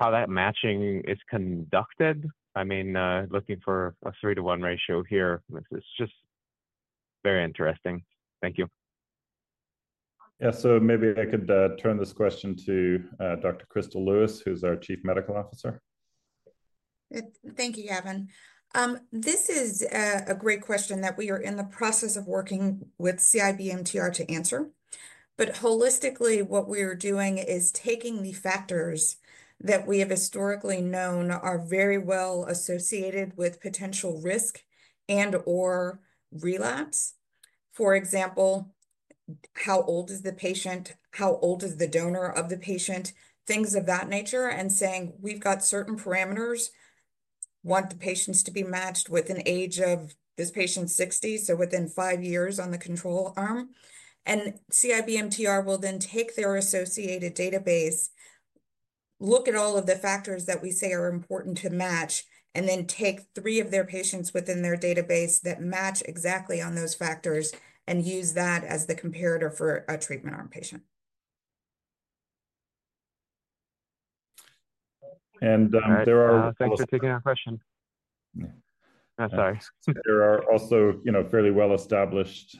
that matching is conducted? I mean, looking for a three-to-one ratio here, this is just very interesting. Thank you. Yeah, so maybe I could turn this question to Dr. Crystal Louis, who's our Chief Medical Officer. Thank you, Gavin. This is a great question that we are in the process of working with CIBMTR to answer, but holistically, what we're doing is taking the factors that we have historically known are very well associated with potential risk and/or relapse. For example, how old is the patient? How old is the donor of the patient? Things of that nature, and saying, we've got certain parameters, want the patients to be matched with an age of this patient's 60, so within five years on the control arm, and CIBMTR will then take their associated database, look at all of the factors that we say are important to match, and then take three of their patients within their database that match exactly on those factors and use that as the comparator for a treatment-arm patient. There are. Thanks for taking our question. I'm sorry. There are also fairly well-established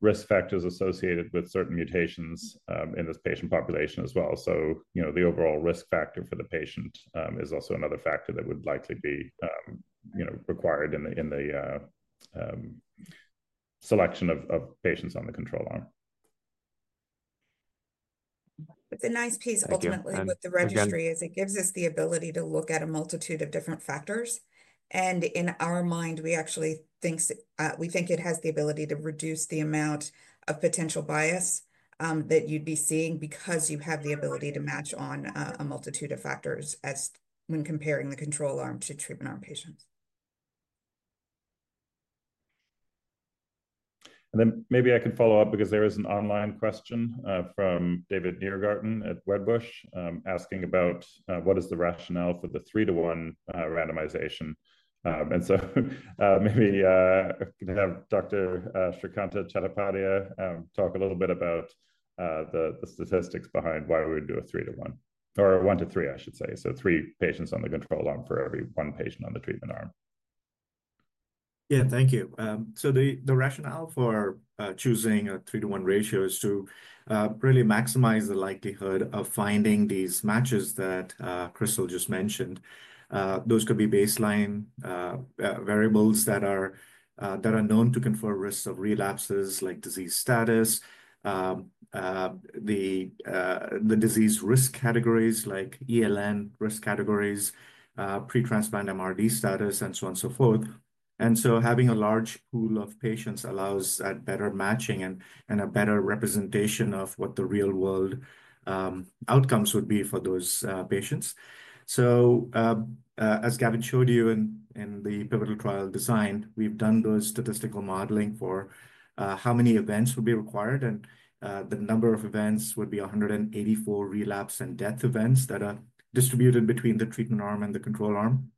risk factors associated with certain mutations in this patient population as well, so the overall risk factor for the patient is also another factor that would likely be required in the selection of patients on the control arm. It's a nice piece, ultimately, what the registry is. It gives us the ability to look at a multitude of different factors. And in our mind, we actually think it has the ability to reduce the amount of potential bias that you'd be seeing because you have the ability to match on a multitude of factors when comparing the control arm to treatment-arm patients. And then maybe I could follow up because there is an online question from David Nierengarten at Wedbush asking about what is the rationale for the three-to-one randomization. And so maybe I could have Dr. Shrikanta Chattopadhyay talk a little bit about the statistics behind why we would do a three-to-one or one to three, I should say: three patients on the control arm for every one patient on the treatment arm. Yeah, thank you. So the rationale for choosing a three-to-one ratio is to really maximize the likelihood of finding these matches that Crystal just mentioned. Those could be baseline variables that are known to confer risks of relapses like disease status, the disease risk categories like ELN risk categories, pretransplant MRD status, and so on and so forth. And so having a large pool of patients allows that better matching and a better representation of what the real-world outcomes would be for those patients. So as Gavin showed you in the pivotal trial design, we've done those statistical modeling for how many events would be required. And the number of events would be 184 relapse and death events that are distributed between the treatment arm and the control arm.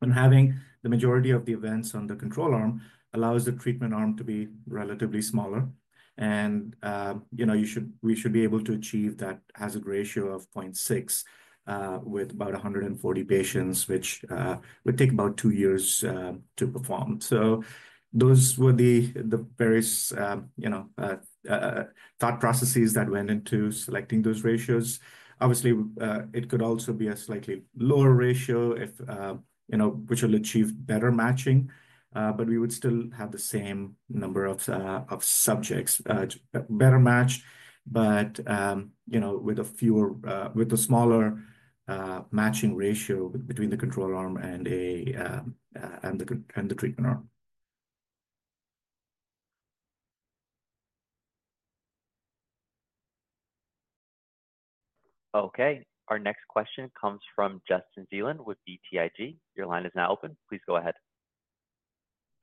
And having the majority of the events on the control arm allows the treatment arm to be relatively smaller. And we should be able to achieve that hazard ratio of 0.6 with about 140 patients, which would take about two years to perform. So those were the various thought processes that went into selecting those ratios. Obviously, it could also be a slightly lower ratio, which will achieve better matching. But we would still have the same number of subjects, better matched, but with a smaller matching ratio between the control arm and the treatment arm. Okay. Our next question comes from Justin Zelin with BTIG. Your line is now open. Please go ahead.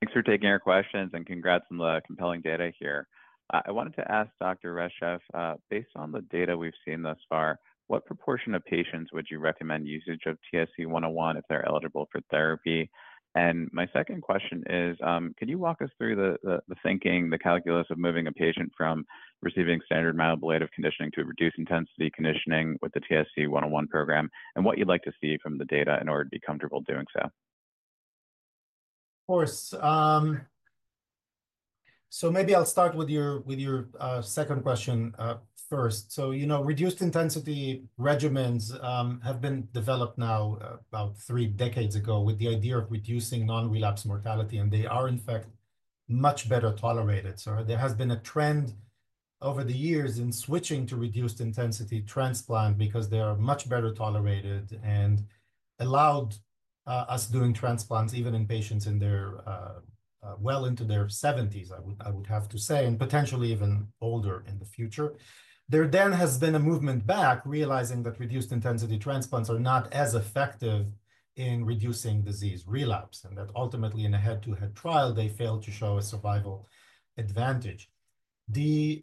Thanks for taking our questions and congrats on the compelling data here. I wanted to ask Dr. Reshef, based on the data we've seen thus far, what proportion of patients would you recommend usage of TSC101 if they're eligible for therapy? And my second question is, can you walk us through the thinking, the calculus of moving a patient from receiving standard myeloablative conditioning to reduced intensity conditioning with the TSC101 program, and what you'd like to see from the data in order to be comfortable doing so? Of course. So maybe I'll start with your second question first. So reduced intensity regimens have been developed now about three decades ago with the idea of reducing non-relapse mortality. And they are, in fact, much better tolerated. So there has been a trend over the years in switching to reduced intensity transplant because they are much better tolerated and allowed us doing transplants even in patients well into their 70s, I would have to say, and potentially even older in the future. There then has been a movement back realizing that reduced intensity transplants are not as effective in reducing disease relapse. And that ultimately, in a head-to-head trial, they failed to show a survival advantage. The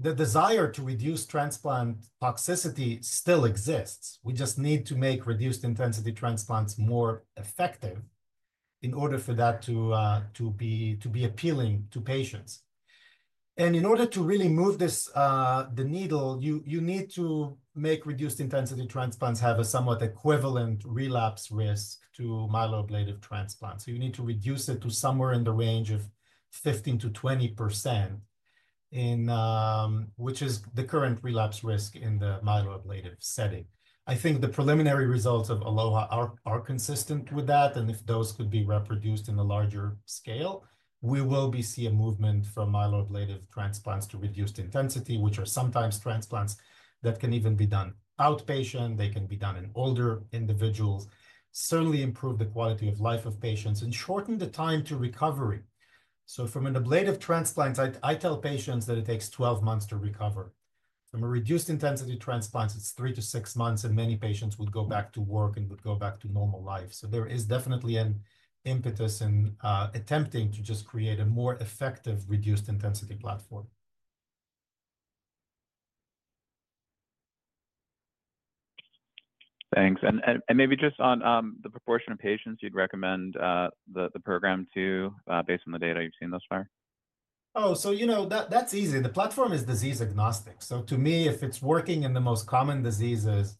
desire to reduce transplant toxicity still exists. We just need to make reduced intensity transplants more effective in order for that to be appealing to patients. In order to really move the needle, you need to make reduced-intensity transplants have a somewhat equivalent relapse risk to myeloablative transplant. You need to reduce it to somewhere in the range of 15%-20%, which is the current relapse risk in the myeloablative setting. I think the preliminary results of ALOHA are consistent with that. If those could be reproduced on a larger scale, we will see a movement from myeloablative transplants to reduced-intensity transplants, which are sometimes transplants that can even be done outpatient. They can be done in older individuals, certainly improve the quality of life of patients, and shorten the time to recovery. From an ablative transplant, I tell patients that it takes 12 months to recover. From a reduced intensity transplant, it's three to six months, and many patients would go back to work and would go back to normal life. So there is definitely an impetus in attempting to just create a more effective reduced intensity platform. Thanks. And maybe just on the proportion of patients you'd recommend the program to based on the data you've seen thus far? Oh, so you know that's easy. The platform is disease agnostic. So to me, if it's working in the most common diseases,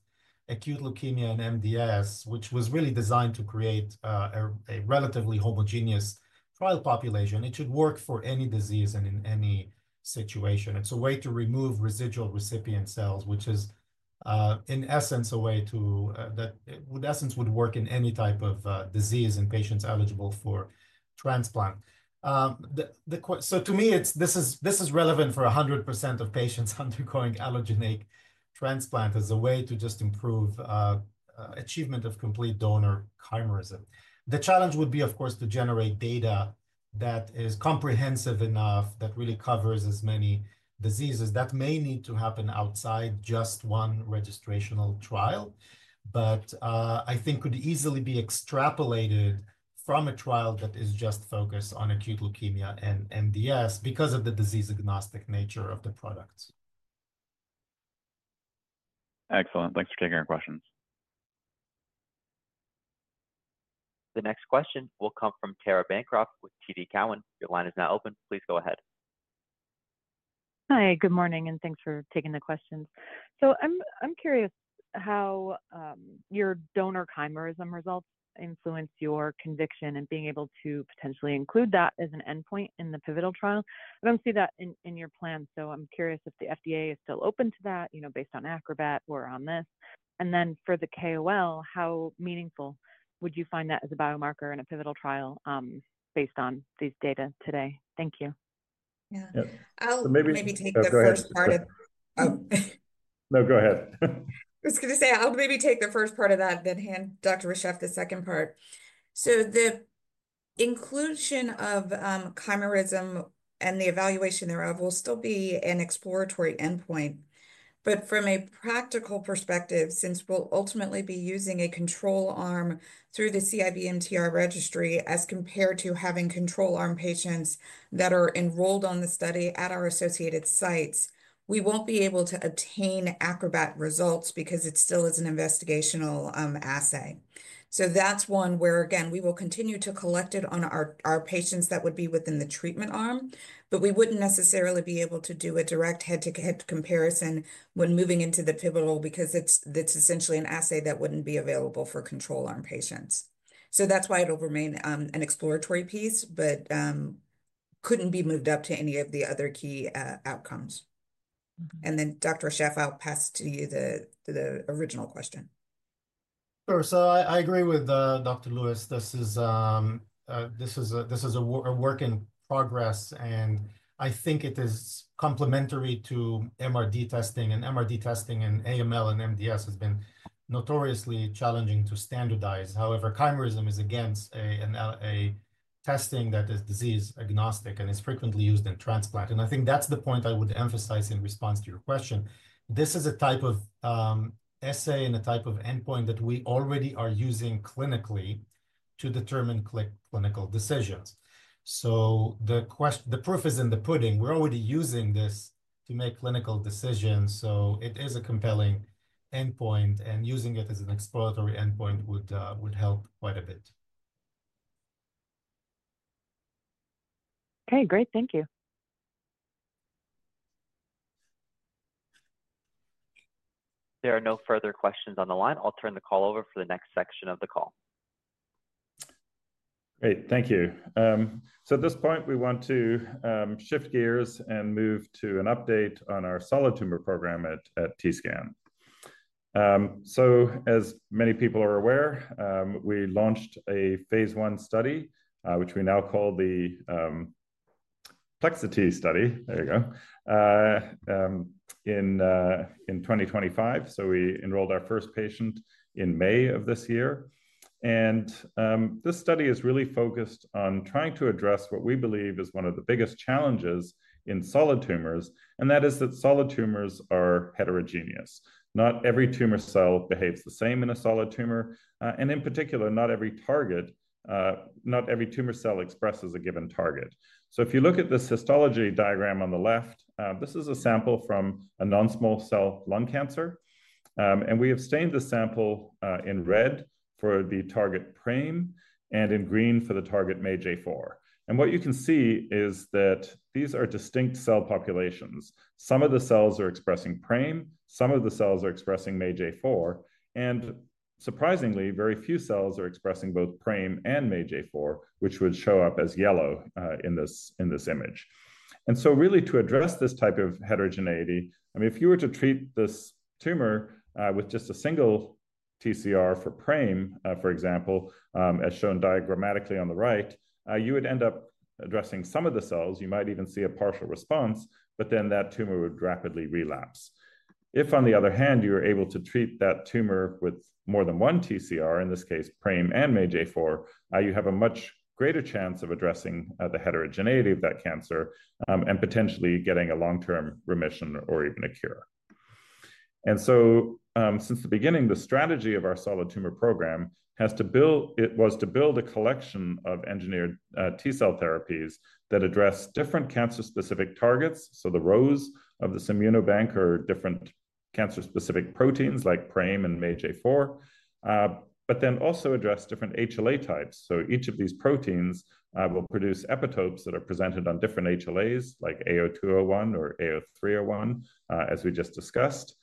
acute leukemia and MDS, which was really designed to create a relatively homogeneous trial population, it should work for any disease and in any situation. It's a way to remove residual recipient cells, which is, in essence, a way that would work in any type of disease in patients eligible for transplant. So to me, this is relevant for 100% of patients undergoing allogeneic transplant as a way to just improve achievement of complete donor chimerism. The challenge would be, of course, to generate data that is comprehensive enough that really covers as many diseases. That may need to happen outside just one registrational trial, but I think could easily be extrapolated from a trial that is just focused on acute leukemia and MDS because of the disease-agnostic nature of the products. Excellent. Thanks for taking our questions. The next question will come from Tara Bancroft with TD Cowen. Your line is now open. Please go ahead. Hi, good morning, and thanks for taking the questions. So I'm curious how your donor chimerism results influence your conviction and being able to potentially include that as an endpoint in the pivotal trial. I don't see that in your plan. So I'm curious if the FDA is still open to that based on ALOHA or on this. And then for the KOL, how meaningful would you find that as a biomarker in a pivotal trial based on these data today? Thank you. Yeah, so maybe take the first part of. No, go ahead. I was going to say, I'll maybe take the first part of that, then hand Dr. Reshef the second part. So the inclusion of chimerism and the evaluation thereof will still be an exploratory endpoint. But from a practical perspective, since we'll ultimately be using a control arm through the CIBMTR registry as compared to having control arm patients that are enrolled on the study at our associated sites, we won't be able to obtain chimerism results because it still is an investigational assay. So that's one where, again, we will continue to collect it on our patients that would be within the treatment arm, but we wouldn't necessarily be able to do a direct head-to-head comparison when moving into the pivotal because it's essentially an assay that wouldn't be available for control arm patients. So that's why it'll remain an exploratory piece, but couldn't be moved up to any of the other key outcomes. And then Dr. Reshef, I'll pass to you the original question. Sure. So I agree with Dr. Louis. This is a work in progress. And I think it is complementary to MRD testing. And MRD testing in AML and MDS has been notoriously challenging to standardize. However, chimerism testing that is disease-agnostic, and it's frequently used in transplant. And I think that's the point I would emphasize in response to your question. This is a type of assay and a type of endpoint that we already are using clinically to determine clinical decisions. So the proof is in the pudding. We're already using this to make clinical decisions. So it is a compelling endpoint, and using it as an exploratory endpoint would help quite a bit. Okay. Great. Thank you. There are no further questions on the line. I'll turn the call over for the next section of the call. Great. Thank you. So at this point, we want to shift gears and move to an update on our solid tumor program at TScan. So as many people are aware, we launched a phase 1 study, which we now call the PLEXITY study. There you go, in 2025. So we enrolled our first patient in May of this year. And this study is really focused on trying to address what we believe is one of the biggest challenges in solid tumors. And that is that solid tumors are heterogeneous. Not every tumor cell behaves the same in a solid tumor. And in particular, not every target, not every tumor cell expresses a given target. So if you look at the histology diagram on the left, this is a sample from a non-small cell lung cancer. And we have stained the sample in red for the target PRAME and in green for the target MAGE4. And what you can see is that these are distinct cell populations. Some of the cells are expressing PRAME. Some of the cells are expressing MAGE4. And surprisingly, very few cells are expressing both PRAME and MAGE4, which would show up as yellow in this image. And so really, to address this type of heterogeneity, I mean, if you were to treat this tumor with just a single TCR for PRAME, for example, as shown diagrammatically on the right, you would end up addressing some of the cells. You might even see a partial response, but then that tumor would rapidly relapse. If, on the other hand, you are able to treat that tumor with more than one TCR, in this case, PRAME and MAGE4, you have a much greater chance of addressing the heterogeneity of that cancer and potentially getting a long-term remission or even a cure. And so since the beginning, the strategy of our solid tumor program has to build, it was to build a collection of engineered T cell therapies that address different cancer-specific targets. So the rows of this ImmunoBank are different cancer-specific proteins like PRAME and MAGE4, but then also address different HLA types. So each of these proteins will produce epitopes that are presented on different HLAs like HLA-A*02:01 or HLA-A*03:01, as we just discussed.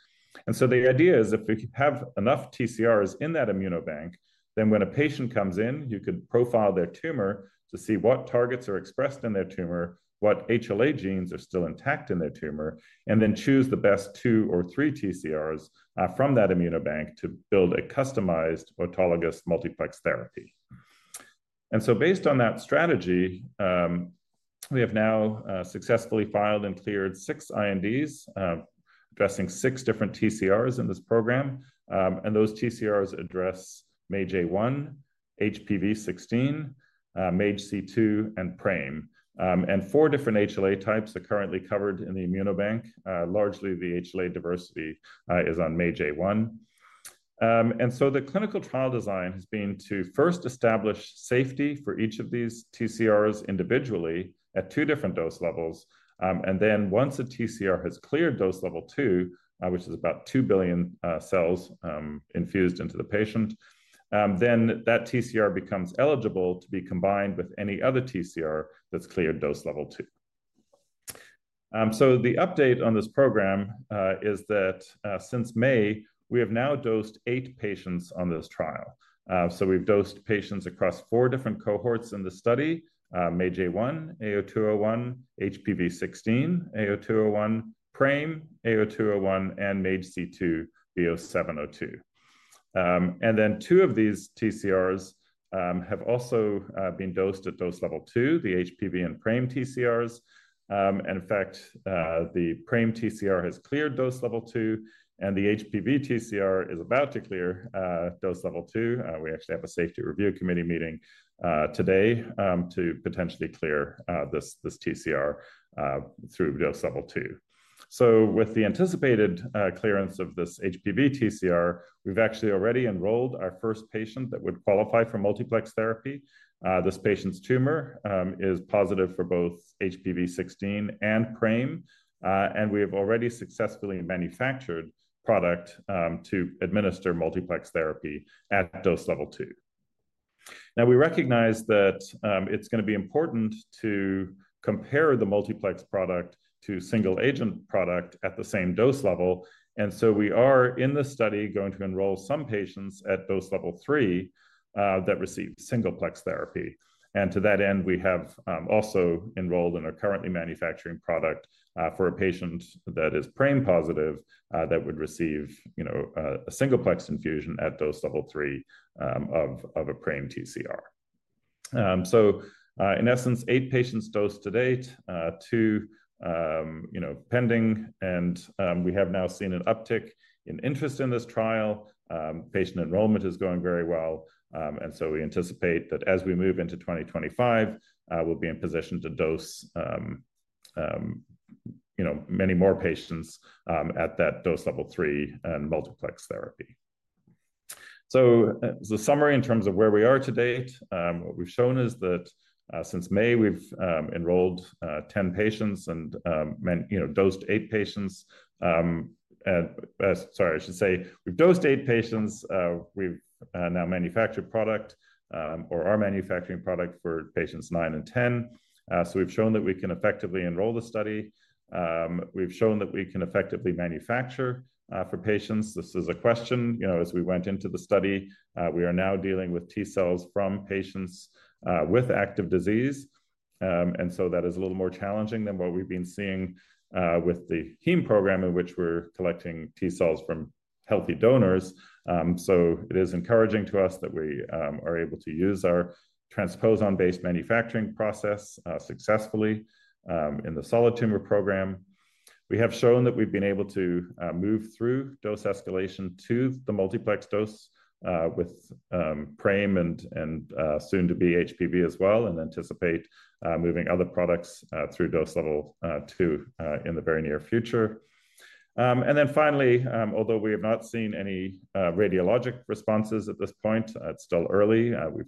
And so the idea is if we have enough TCRs in that ImmunoBank, then when a patient comes in, you could profile their tumor to see what targets are expressed in their tumor, what HLA genes are still intact in their tumor, and then choose the best two or three TCRs from that ImmunoBank to build a customized autologous multiplex therapy. And so based on that strategy, we have now successfully filed and cleared six INDs addressing six different TCRs in this program. And those TCRs address MAGE-A1, HPV16, MAGE-C2, and PRAME, and four different HLA types are currently covered in the ImmunoBank. Largely, the HLA diversity is on MAGE-A1. And so the clinical trial design has been to first establish safety for each of these TCRs individually at two different dose levels. And then once a TCR has cleared dose level two, which is about 2 billion cells infused into the patient, then that TCR becomes eligible to be combined with any other TCR that's cleared dose level two. So the update on this program is that since May, we have now dosed eight patients on this trial. So we've dosed patients across four different cohorts in the study: MAGE1, A*0201, HPV16, A*0201, PRAME, A*0201, and MAGEC2, B*07:02. And then two of these TCRs have also been dosed at dose level two, the HPV and PRAME TCRs. And in fact, the PRAME TCR has cleared dose level two, and the HPV TCR is about to clear dose level two. We actually have a safety review committee meeting today to potentially clear this TCR through dose level two. With the anticipated clearance of this HPV TCR, we've actually already enrolled our first patient that would qualify for multiplex therapy. This patient's tumor is positive for both HPV16 and PRAME. And we have already successfully manufactured product to administer multiplex therapy at dose level two. Now, we recognize that it's going to be important to compare the multiplex product to single-agent product at the same dose level. And so we are in this study going to enroll some patients at dose level three that receive singleplex therapy. And to that end, we have also enrolled and are currently manufacturing product for a patient that is PRAME positive that would receive a singleplex infusion at dose level three of a PRAME TCR. So in essence, eight patients dosed to date, two pending. And we have now seen an uptick in interest in this trial. Patient enrollment is going very well, and so we anticipate that as we move into 2025, we'll be in position to dose many more patients at that dose level three and multiplex therapy. So as a summary in terms of where we are to date, what we've shown is that since May, we've enrolled 10 patients and dosed eight patients. Sorry, I should say we've dosed eight patients. We've now manufactured product or are manufacturing product for patients nine and ten. So we've shown that we can effectively enroll the study. We've shown that we can effectively manufacture for patients. This is a question as we went into the study. We are now dealing with T cells from patients with active disease, and so that is a little more challenging than what we've been seeing with the HEME program in which we're collecting T cells from healthy donors. So it is encouraging to us that we are able to use our transposon-based manufacturing process successfully in the solid tumor program. We have shown that we've been able to move through dose escalation to the multiplex dose with PRAME and soon to be HPV as well and anticipate moving other products through dose level two in the very near future. And then finally, although we have not seen any radiologic responses at this point, it's still early. We've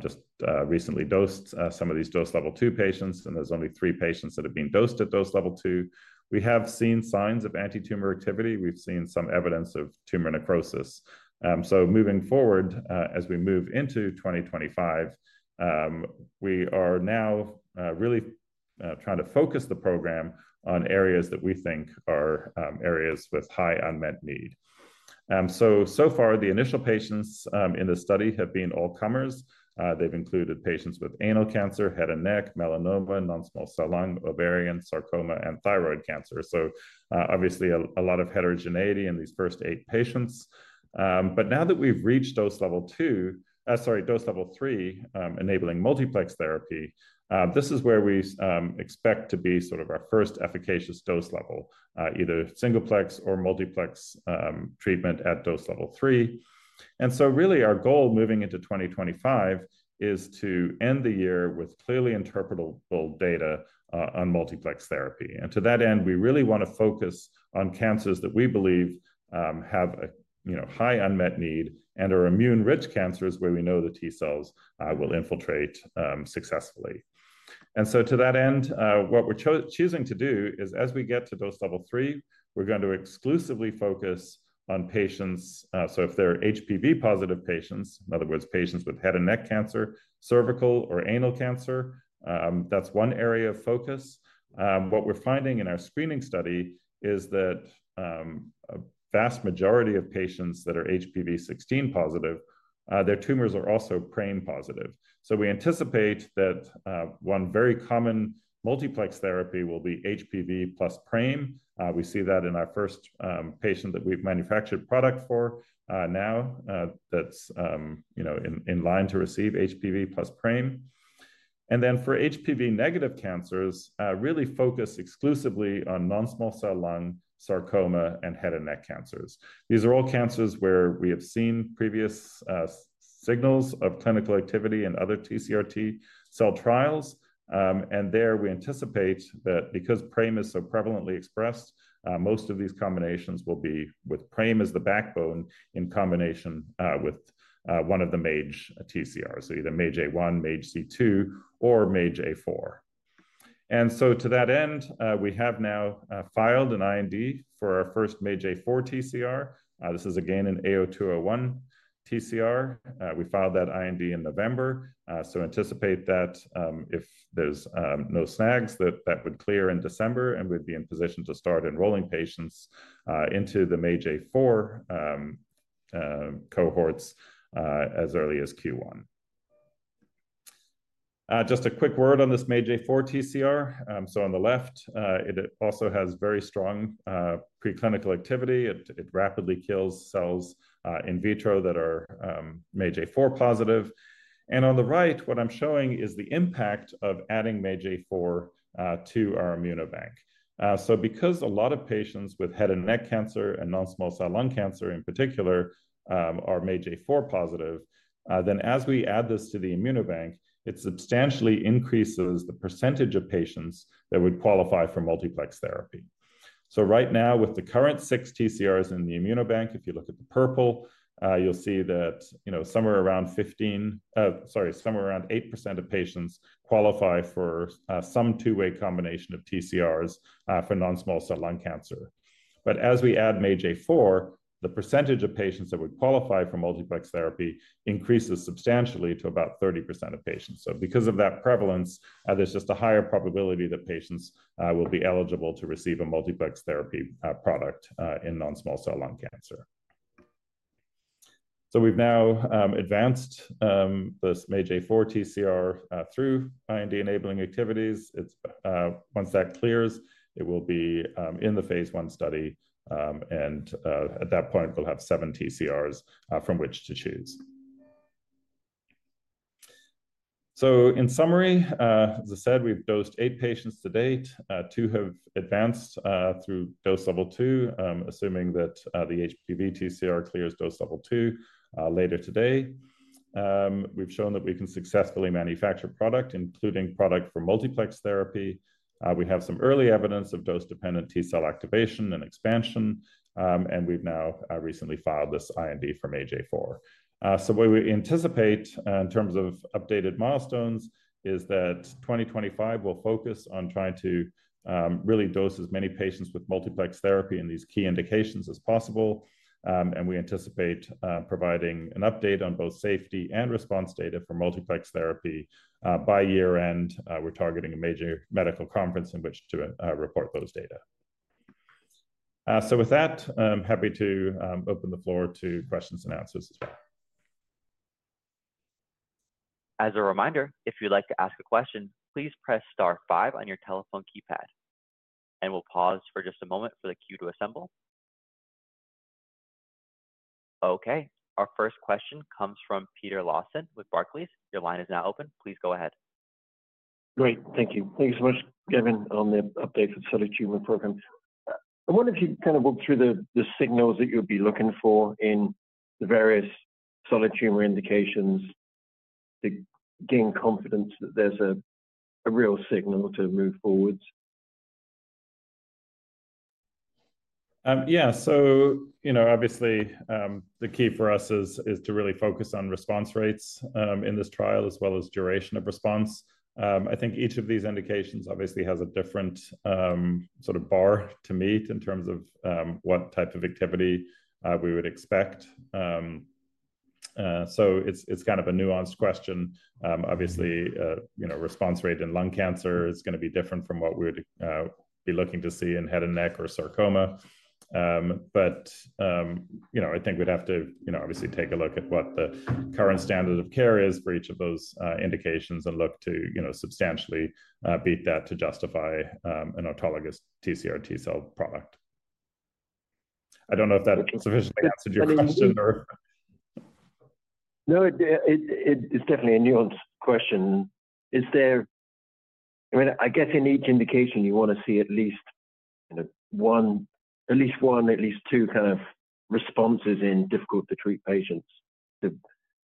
just recently dosed some of these dose level two patients, and there's only three patients that have been dosed at dose level two. We have seen signs of anti-tumor activity. We've seen some evidence of tumor necrosis. So moving forward, as we move into 2025, we are now really trying to focus the program on areas that we think are areas with high unmet need. So far, the initial patients in the study have been all comers. They've included patients with anal cancer, head and neck, melanoma, non-small cell lung, ovarian, sarcoma, and thyroid cancer. So obviously, a lot of heterogeneity in these first eight patients. But now that we've reached dose level two, sorry, dose level three enabling multiplex therapy, this is where we expect to be sort of our first efficacious dose level, either singleplex or multiplex treatment at dose level three. Really, our goal moving into 2025 is to end the year with clearly interpretable data on multiplex therapy. To that end, we really want to focus on cancers that we believe have a high unmet need and are immune-rich cancers where we know the T cells will infiltrate successfully. And so to that end, what we're choosing to do is as we get to dose level three, we're going to exclusively focus on patients. So if they're HPV positive patients, in other words, patients with head and neck cancer, cervical or anal cancer, that's one area of focus. What we're finding in our screening study is that a vast majority of patients that are HPV16 positive, their tumors are also PRAME positive. So we anticipate that one very common multiplex therapy will be HPV plus PRAME. We see that in our first patient that we've manufactured product for now, that's in line to receive HPV plus PRAME. And then for HPV negative cancers, really focus exclusively on non-small cell lung, sarcoma, and head and neck cancers. These are all cancers where we have seen previous signals of clinical activity in other TCR-T cell trials. There we anticipate that because PRAME is so prevalently expressed, most of these combinations will be with PRAME as the backbone in combination with one of the MAGE TCRs, either MAGE-A1, MAGE-C2, or MAGE-A4. And so to that end, we have now filed an IND for our first MAGE-A4 TCR. This is again an AO201 TCR. We filed that IND in November. So anticipate that if there's no snags, that that would clear in December, and we'd be in position to start enrolling patients into the MAGE-A4 cohorts as early as Q1. Just a quick word on this MAGE-A4 TCR. So on the left, it also has very strong preclinical activity. It rapidly kills cells in vitro that are MAGE-A4 positive. And on the right, what I'm showing is the impact of adding MAGE-A4 to our immunobank. Because a lot of patients with head and neck cancer and non-small cell lung cancer in particular are MAGE-A4 positive, then as we add this to the ImmunoBank, it substantially increases the percentage of patients that would qualify for multiplex therapy. Right now, with the current six TCRs in the ImmunoBank, if you look at the purple, you'll see that somewhere around 15, sorry, somewhere around 8% of patients qualify for some two-way combination of TCRs for non-small cell lung cancer. As we add MAGE-A4, the percentage of patients that would qualify for multiplex therapy increases substantially to about 30% of patients. Because of that prevalence, there's just a higher probability that patients will be eligible to receive a multiplex therapy product in non-small cell lung cancer. We've now advanced this MAGE-A4 TCR through IND-enabling activities. Once that clears, it will be in the phase 1 study, and at that point, we'll have seven TCRs from which to choose, so in summary, as I said, we've dosed eight patients to date. Two have advanced through dose level 2, assuming that the HPV TCR clears dose level 2 later today. We've shown that we can successfully manufacture product, including product for multiplex therapy. We have some early evidence of dose-dependent T cell activation and expansion, and we've now recently filed this IND for MAGE-A4, so what we anticipate in terms of updated milestones is that 2025 will focus on trying to really dose as many patients with multiplex therapy in these key indications as possible, and we anticipate providing an update on both safety and response data for multiplex therapy by year-end. We're targeting a major medical conference in which to report those data. So with that, I'm happy to open the floor to questions and answers as well. As a reminder, if you'd like to ask a question, please press star five on your telephone keypad, and we'll pause for just a moment for the queue to assemble. Okay. Our first question comes from Peter Lawson with Barclays. Your line is now open. Please go ahead. Great. Thank you. Thank you so much, Gavin, on the updates of the solid tumor program. I wonder if you kind of walked through the signals that you'll be looking for in the various solid tumor indications to gain confidence that there's a real signal to move forward? Yeah. So obviously, the key for us is to really focus on response rates in this trial as well as duration of response. I think each of these indications obviously has a different sort of bar to meet in terms of what type of activity we would expect. So it's kind of a nuanced question. Obviously, response rate in lung cancer is going to be different from what we would be looking to see in head and neck or sarcoma. But I think we'd have to obviously take a look at what the current standard of care is for each of those indications and look to substantially beat that to justify an autologous TCR-T cell product. I don't know if that sufficiently answered your question or. No, it's definitely a nuanced question. I mean, I guess in each indication, you want to see at least one, at least one, at least two kind of responses in difficult-to-treat patients to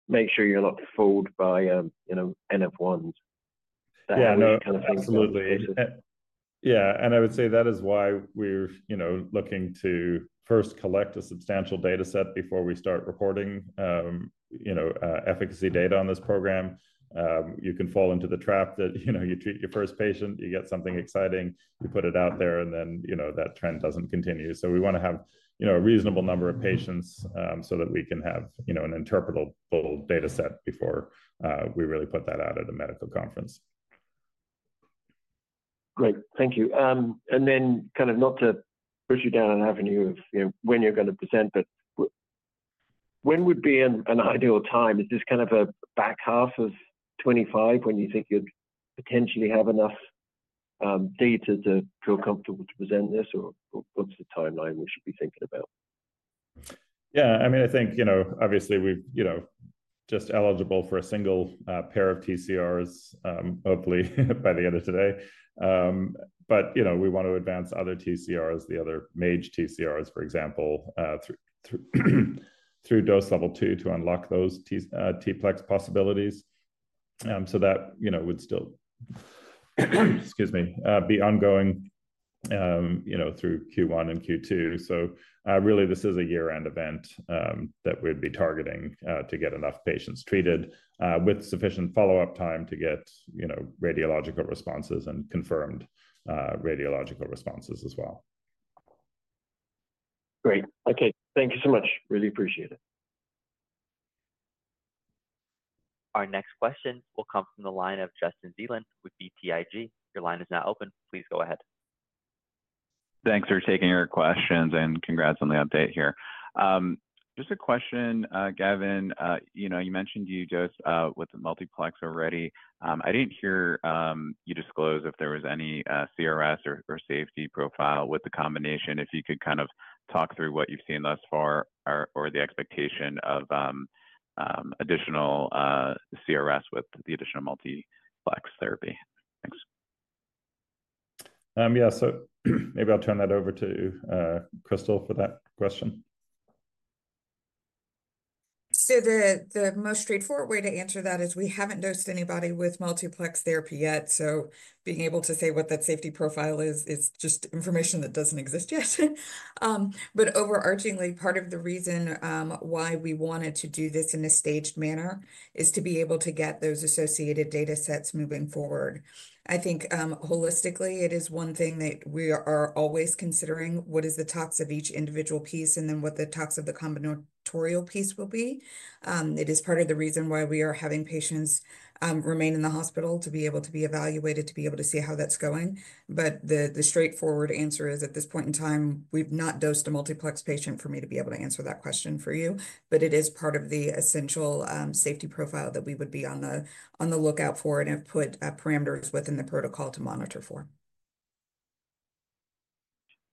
make sure you're not fooled by N of 1s. Yeah, no, absolutely. Yeah, and I would say that is why we're looking to first collect a substantial data set before we start reporting efficacy data on this program. You can fall into the trap that you treat your first patient, you get something exciting, you put it out there, and then that trend doesn't continue, so we want to have a reasonable number of patients so that we can have an interpretable data set before we really put that out at a medical conference. Great. Thank you. And then kind of not to push you down an avenue of when you're going to present, but when would be an ideal time? Is this kind of a back half of 2025 when you think you'd potentially have enough data to feel comfortable to present this? Or what's the timeline we should be thinking about? Yeah. I mean, I think obviously we're just eligible for a single pair of TCRs, hopefully by the end of today. But we want to advance other TCRs, the other MAGE TCRs, for example, through dose level two to unlock those T-Plex possibilities so that would still, excuse me, be ongoing through Q1 and Q2. So really, this is a year-end event that we'd be targeting to get enough patients treated with sufficient follow-up time to get radiological responses and confirmed radiological responses as well. Great. Okay. Thank you so much. Really appreciate it. Our next question will come from the line of Justin Zelin with BTIG. Your line is now open. Please go ahead. Thanks for taking our questions and congrats on the update here. Just a question, Gavin. You mentioned you dosed with the multiplex already. I didn't hear you disclose if there was any CRS or safety profile with the combination. If you could kind of talk through what you've seen thus far or the expectation of additional CRS with the additional multiplex therapy. Thanks. Yeah. So maybe I'll turn that over to Crystal for that question. So the most straightforward way to answer that is we haven't dosed anybody with multiplex therapy yet. So being able to say what that safety profile is, it's just information that doesn't exist yet. But overarchingly, part of the reason why we wanted to do this in a staged manner is to be able to get those associated data sets moving forward. I think holistically, it is one thing that we are always considering: what is the tox of each individual piece and then what the tox of the combinatorial piece will be. It is part of the reason why we are having patients remain in the hospital to be able to be evaluated, to be able to see how that's going. But the straightforward answer is at this point in time, we've not dosed a multiplex patient for me to be able to answer that question for you. But it is part of the essential safety profile that we would be on the lookout for and have put parameters within the protocol to monitor for.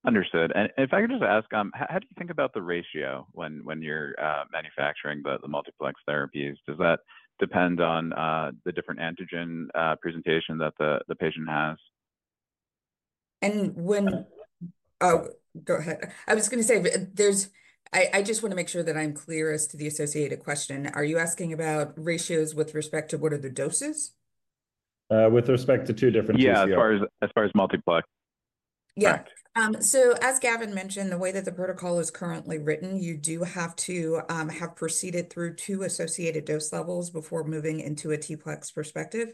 Understood. And if I could just ask, how do you think about the ratio when you're manufacturing the multiplex therapies? Does that depend on the different antigen presentation that the patient has? When, oh, go ahead. I was going to say, I just want to make sure that I'm clear as to the associated question. Are you asking about ratios with respect to what are the doses? With respect to two different TCRs? Yeah, as far as multiplex. Yeah. So as Gavin mentioned, the way that the protocol is currently written, you do have to have proceeded through two associated dose levels before moving into a T-Plex perspective.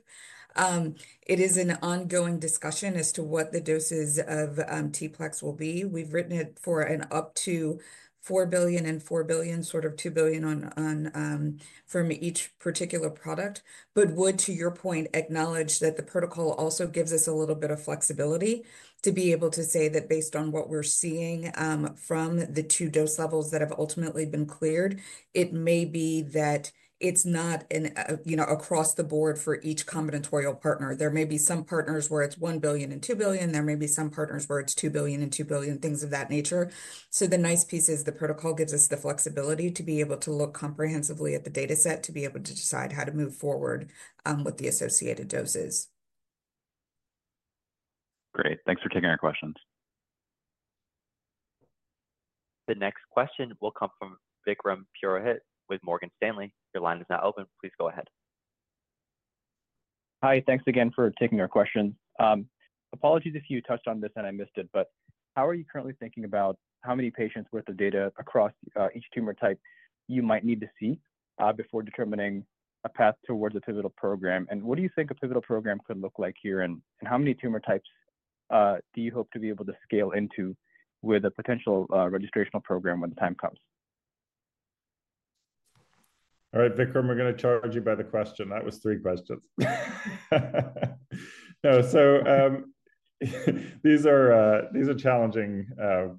It is an ongoing discussion as to what the doses of T-Plex will be. We've written it for up to 4 billion and 4 billion, sort of 2 billion from each particular product. But, to your point, would acknowledge that the protocol also gives us a little bit of flexibility to be able to say that based on what we're seeing from the two dose levels that have ultimately been cleared, it may be that it's not across the board for each combinatorial partner. There may be some partners where it's 1 billion and 2 billion. There may be some partners where it's 2 billion and 2 billion, things of that nature. So the nice piece is the protocol gives us the flexibility to be able to look comprehensively at the data set to be able to decide how to move forward with the associated doses. Great. Thanks for taking our questions. The next question will come from Vikram Purohit with Morgan Stanley. Your line is now open. Please go ahead. Hi. Thanks again for taking our questions. Apologies if you touched on this and I missed it, but how are you currently thinking about how many patients' worth of data across each tumor type you might need to see before determining a path towards a pivotal program? And what do you think a pivotal program could look like here? And how many tumor types do you hope to be able to scale into with a potential registrational program when the time comes? All right, Vikram, we're going to charge you by the question. That was three questions. No. So these are challenging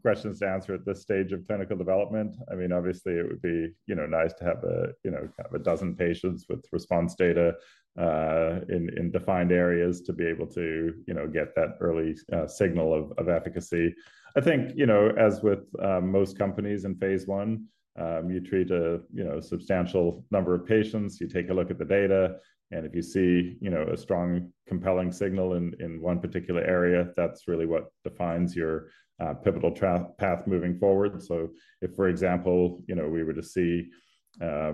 questions to answer at this stage of clinical development. I mean, obviously, it would be nice to have kind of a dozen patients with response data in defined areas to be able to get that early signal of efficacy. I think as with most companies in phase 1, you treat a substantial number of patients, you take a look at the data, and if you see a strong, compelling signal in one particular area, that's really what defines your pivotal path moving forward. So if, for example, we were to see a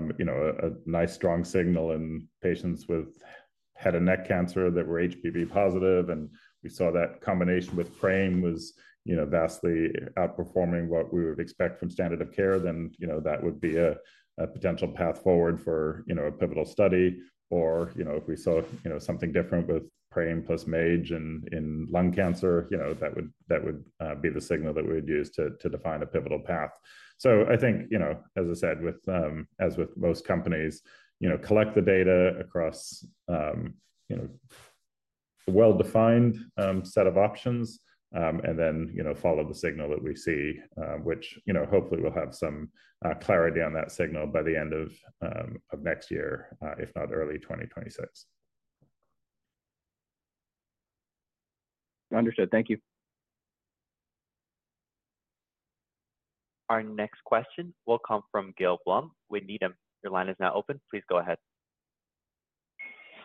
nice, strong signal in patients with head and neck cancer that were HPV positive, and we saw that combination with PRAME was vastly outperforming what we would expect from standard of care, then that would be a potential path forward for a pivotal study. Or if we saw something different with PRAME plus MAGE in lung cancer, that would be the signal that we would use to define a pivotal path. So I think, as I said, as with most companies, collect the data across a well-defined set of options and then follow the signal that we see, which hopefully we'll have some clarity on that signal by the end of next year, if not early 2026. Understood. Thank you. Our next question will come from Gil Blum. Wynita, your line is now open. Please go ahead.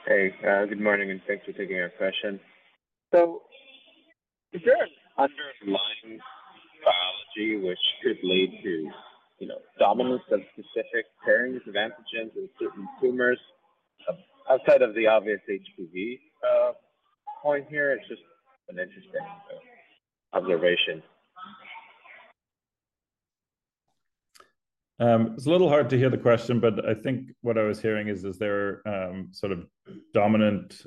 Hey, good morning, and thanks for taking our question. The underlying biology, which could lead to dominance of specific pairings of antigens in certain tumors. Outside of the obvious HPV point here, it's just an interesting observation. It's a little hard to hear the question, but I think what I was hearing is, is there sort of dominant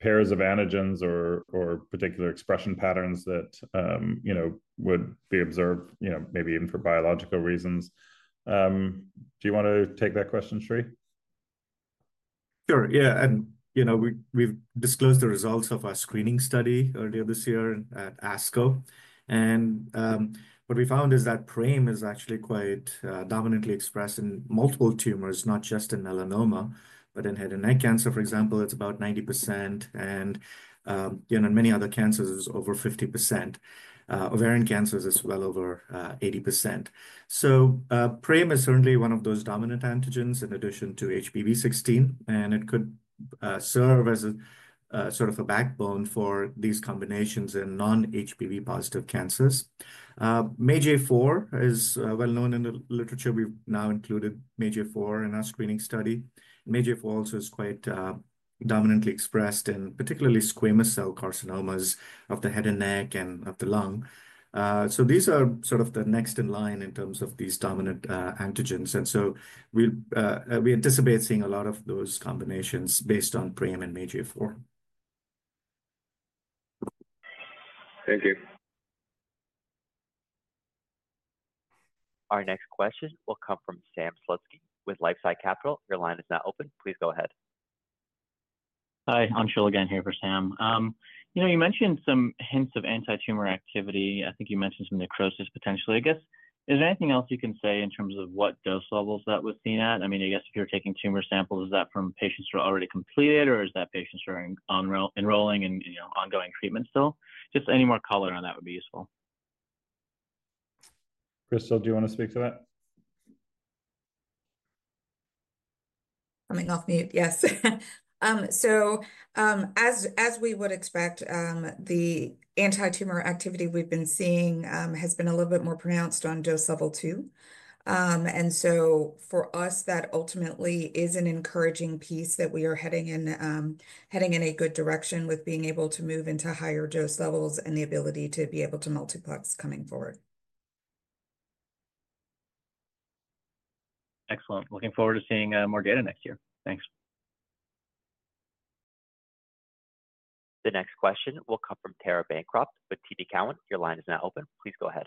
pairs of antigens or particular expression patterns that would be observed maybe even for biological reasons? Do you want to take that question, Shree? Sure. Yeah, and we've disclosed the results of our screening study earlier this year at ASCO. What we found is that PRAME is actually quite dominantly expressed in multiple tumors, not just in melanoma, but in head and neck cancer, for example. It's about 90%. In many other cancers, it's over 50%. Ovarian cancers as well, over 80%. So PRAME is certainly one of those dominant antigens in addition to HPV16. It could serve as sort of a backbone for these combinations in non-HPV positive cancers. MAGE-A4 is well known in the literature. We've now included MAGE-A4 in our screening study. MAGE-A4 also is quite dominantly expressed in particularly squamous cell carcinomas of the head and neck and of the lung. So these are sort of the next in line in terms of these dominant antigens. And so we anticipate seeing a lot of those combinations based on PRAME and MAGE4. Thank you. Our next question will come from Sam Slutsky with LifeSci Capital. Your line is now open. Please go ahead. Hi, Anshul again here for Sam. You mentioned some hints of anti-tumor activity. I think you mentioned some necrosis potentially. I guess, is there anything else you can say in terms of what dose levels that was seen at? I mean, I guess if you're taking tumor samples, is that from patients who are already completed, or is that patients who are enrolling in ongoing treatment still? Just any more color on that would be useful. Crystal, do you want to speak to that? Coming off mute, yes, so as we would expect, the anti-tumor activity we've been seeing has been a little bit more pronounced on dose level two, and so for us, that ultimately is an encouraging piece that we are heading in a good direction with being able to move into higher dose levels and the ability to be able to multiplex coming forward. Excellent. Looking forward to seeing more data next year. Thanks. The next question will come from Tara Bancroft with TD Cowen. Your line is now open. Please go ahead.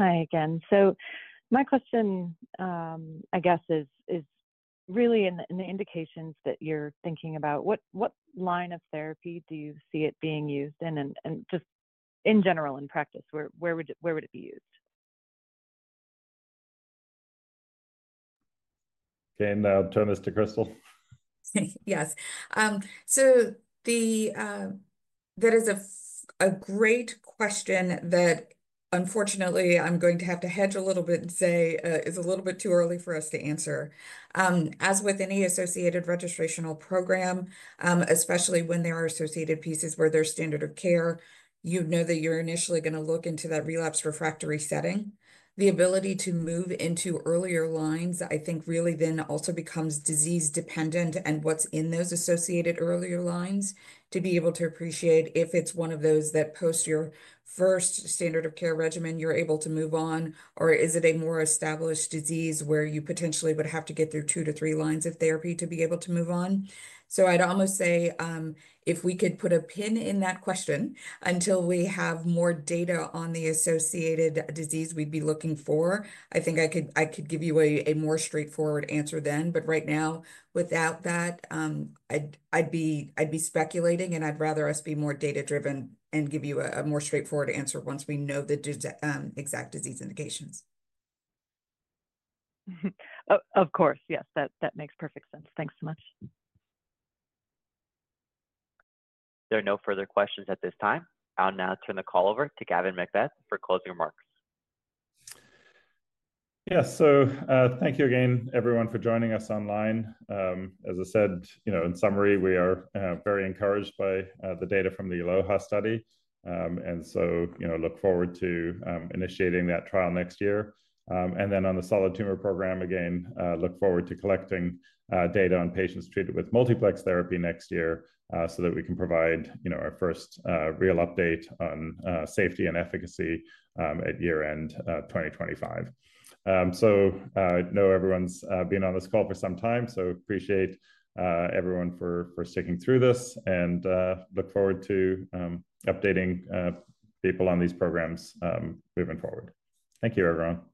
Hi, again. So my question, I guess, is really in the indications that you're thinking about, what line of therapy do you see it being used in? And just in general, in practice, where would it be used? Okay. Now, turn this to Crystal. Yes, so that is a great question that, unfortunately, I'm going to have to hedge a little bit and say is a little bit too early for us to answer. As with any associated registrational program, especially when there are associated pieces where there's standard of care, you know that you're initially going to look into that relapse refractory setting. The ability to move into earlier lines, I think, really then also becomes disease-dependent and what's in those associated earlier lines to be able to appreciate if it's one of those that post your first standard of care regimen, you're able to move on, or is it a more established disease where you potentially would have to get through two to three lines of therapy to be able to move on? I'd almost say if we could put a pin in that question until we have more data on the associated disease we'd be looking for, I think I could give you a more straightforward answer then. Right now, without that, I'd be speculating, and I'd rather us be more data-driven and give you a more straightforward answer once we know the exact disease indications. Of course, yes. That makes perfect sense. Thanks so much. There are no further questions at this time. I'll now turn the call over to Gavin MacBeath for closing remarks. Yeah. So thank you again, everyone, for joining us online. As I said, in summary, we are very encouraged by the data from the ALOHA study, and so look forward to initiating that trial next year, and then on the solid tumor program, again, look forward to collecting data on patients treated with multiplex therapy next year so that we can provide our first real update on safety and efficacy at year-end 2025, so I know everyone's been on this call for some time, so appreciate everyone for sticking through this and look forward to updating people on these programs moving forward. Thank you, everyone.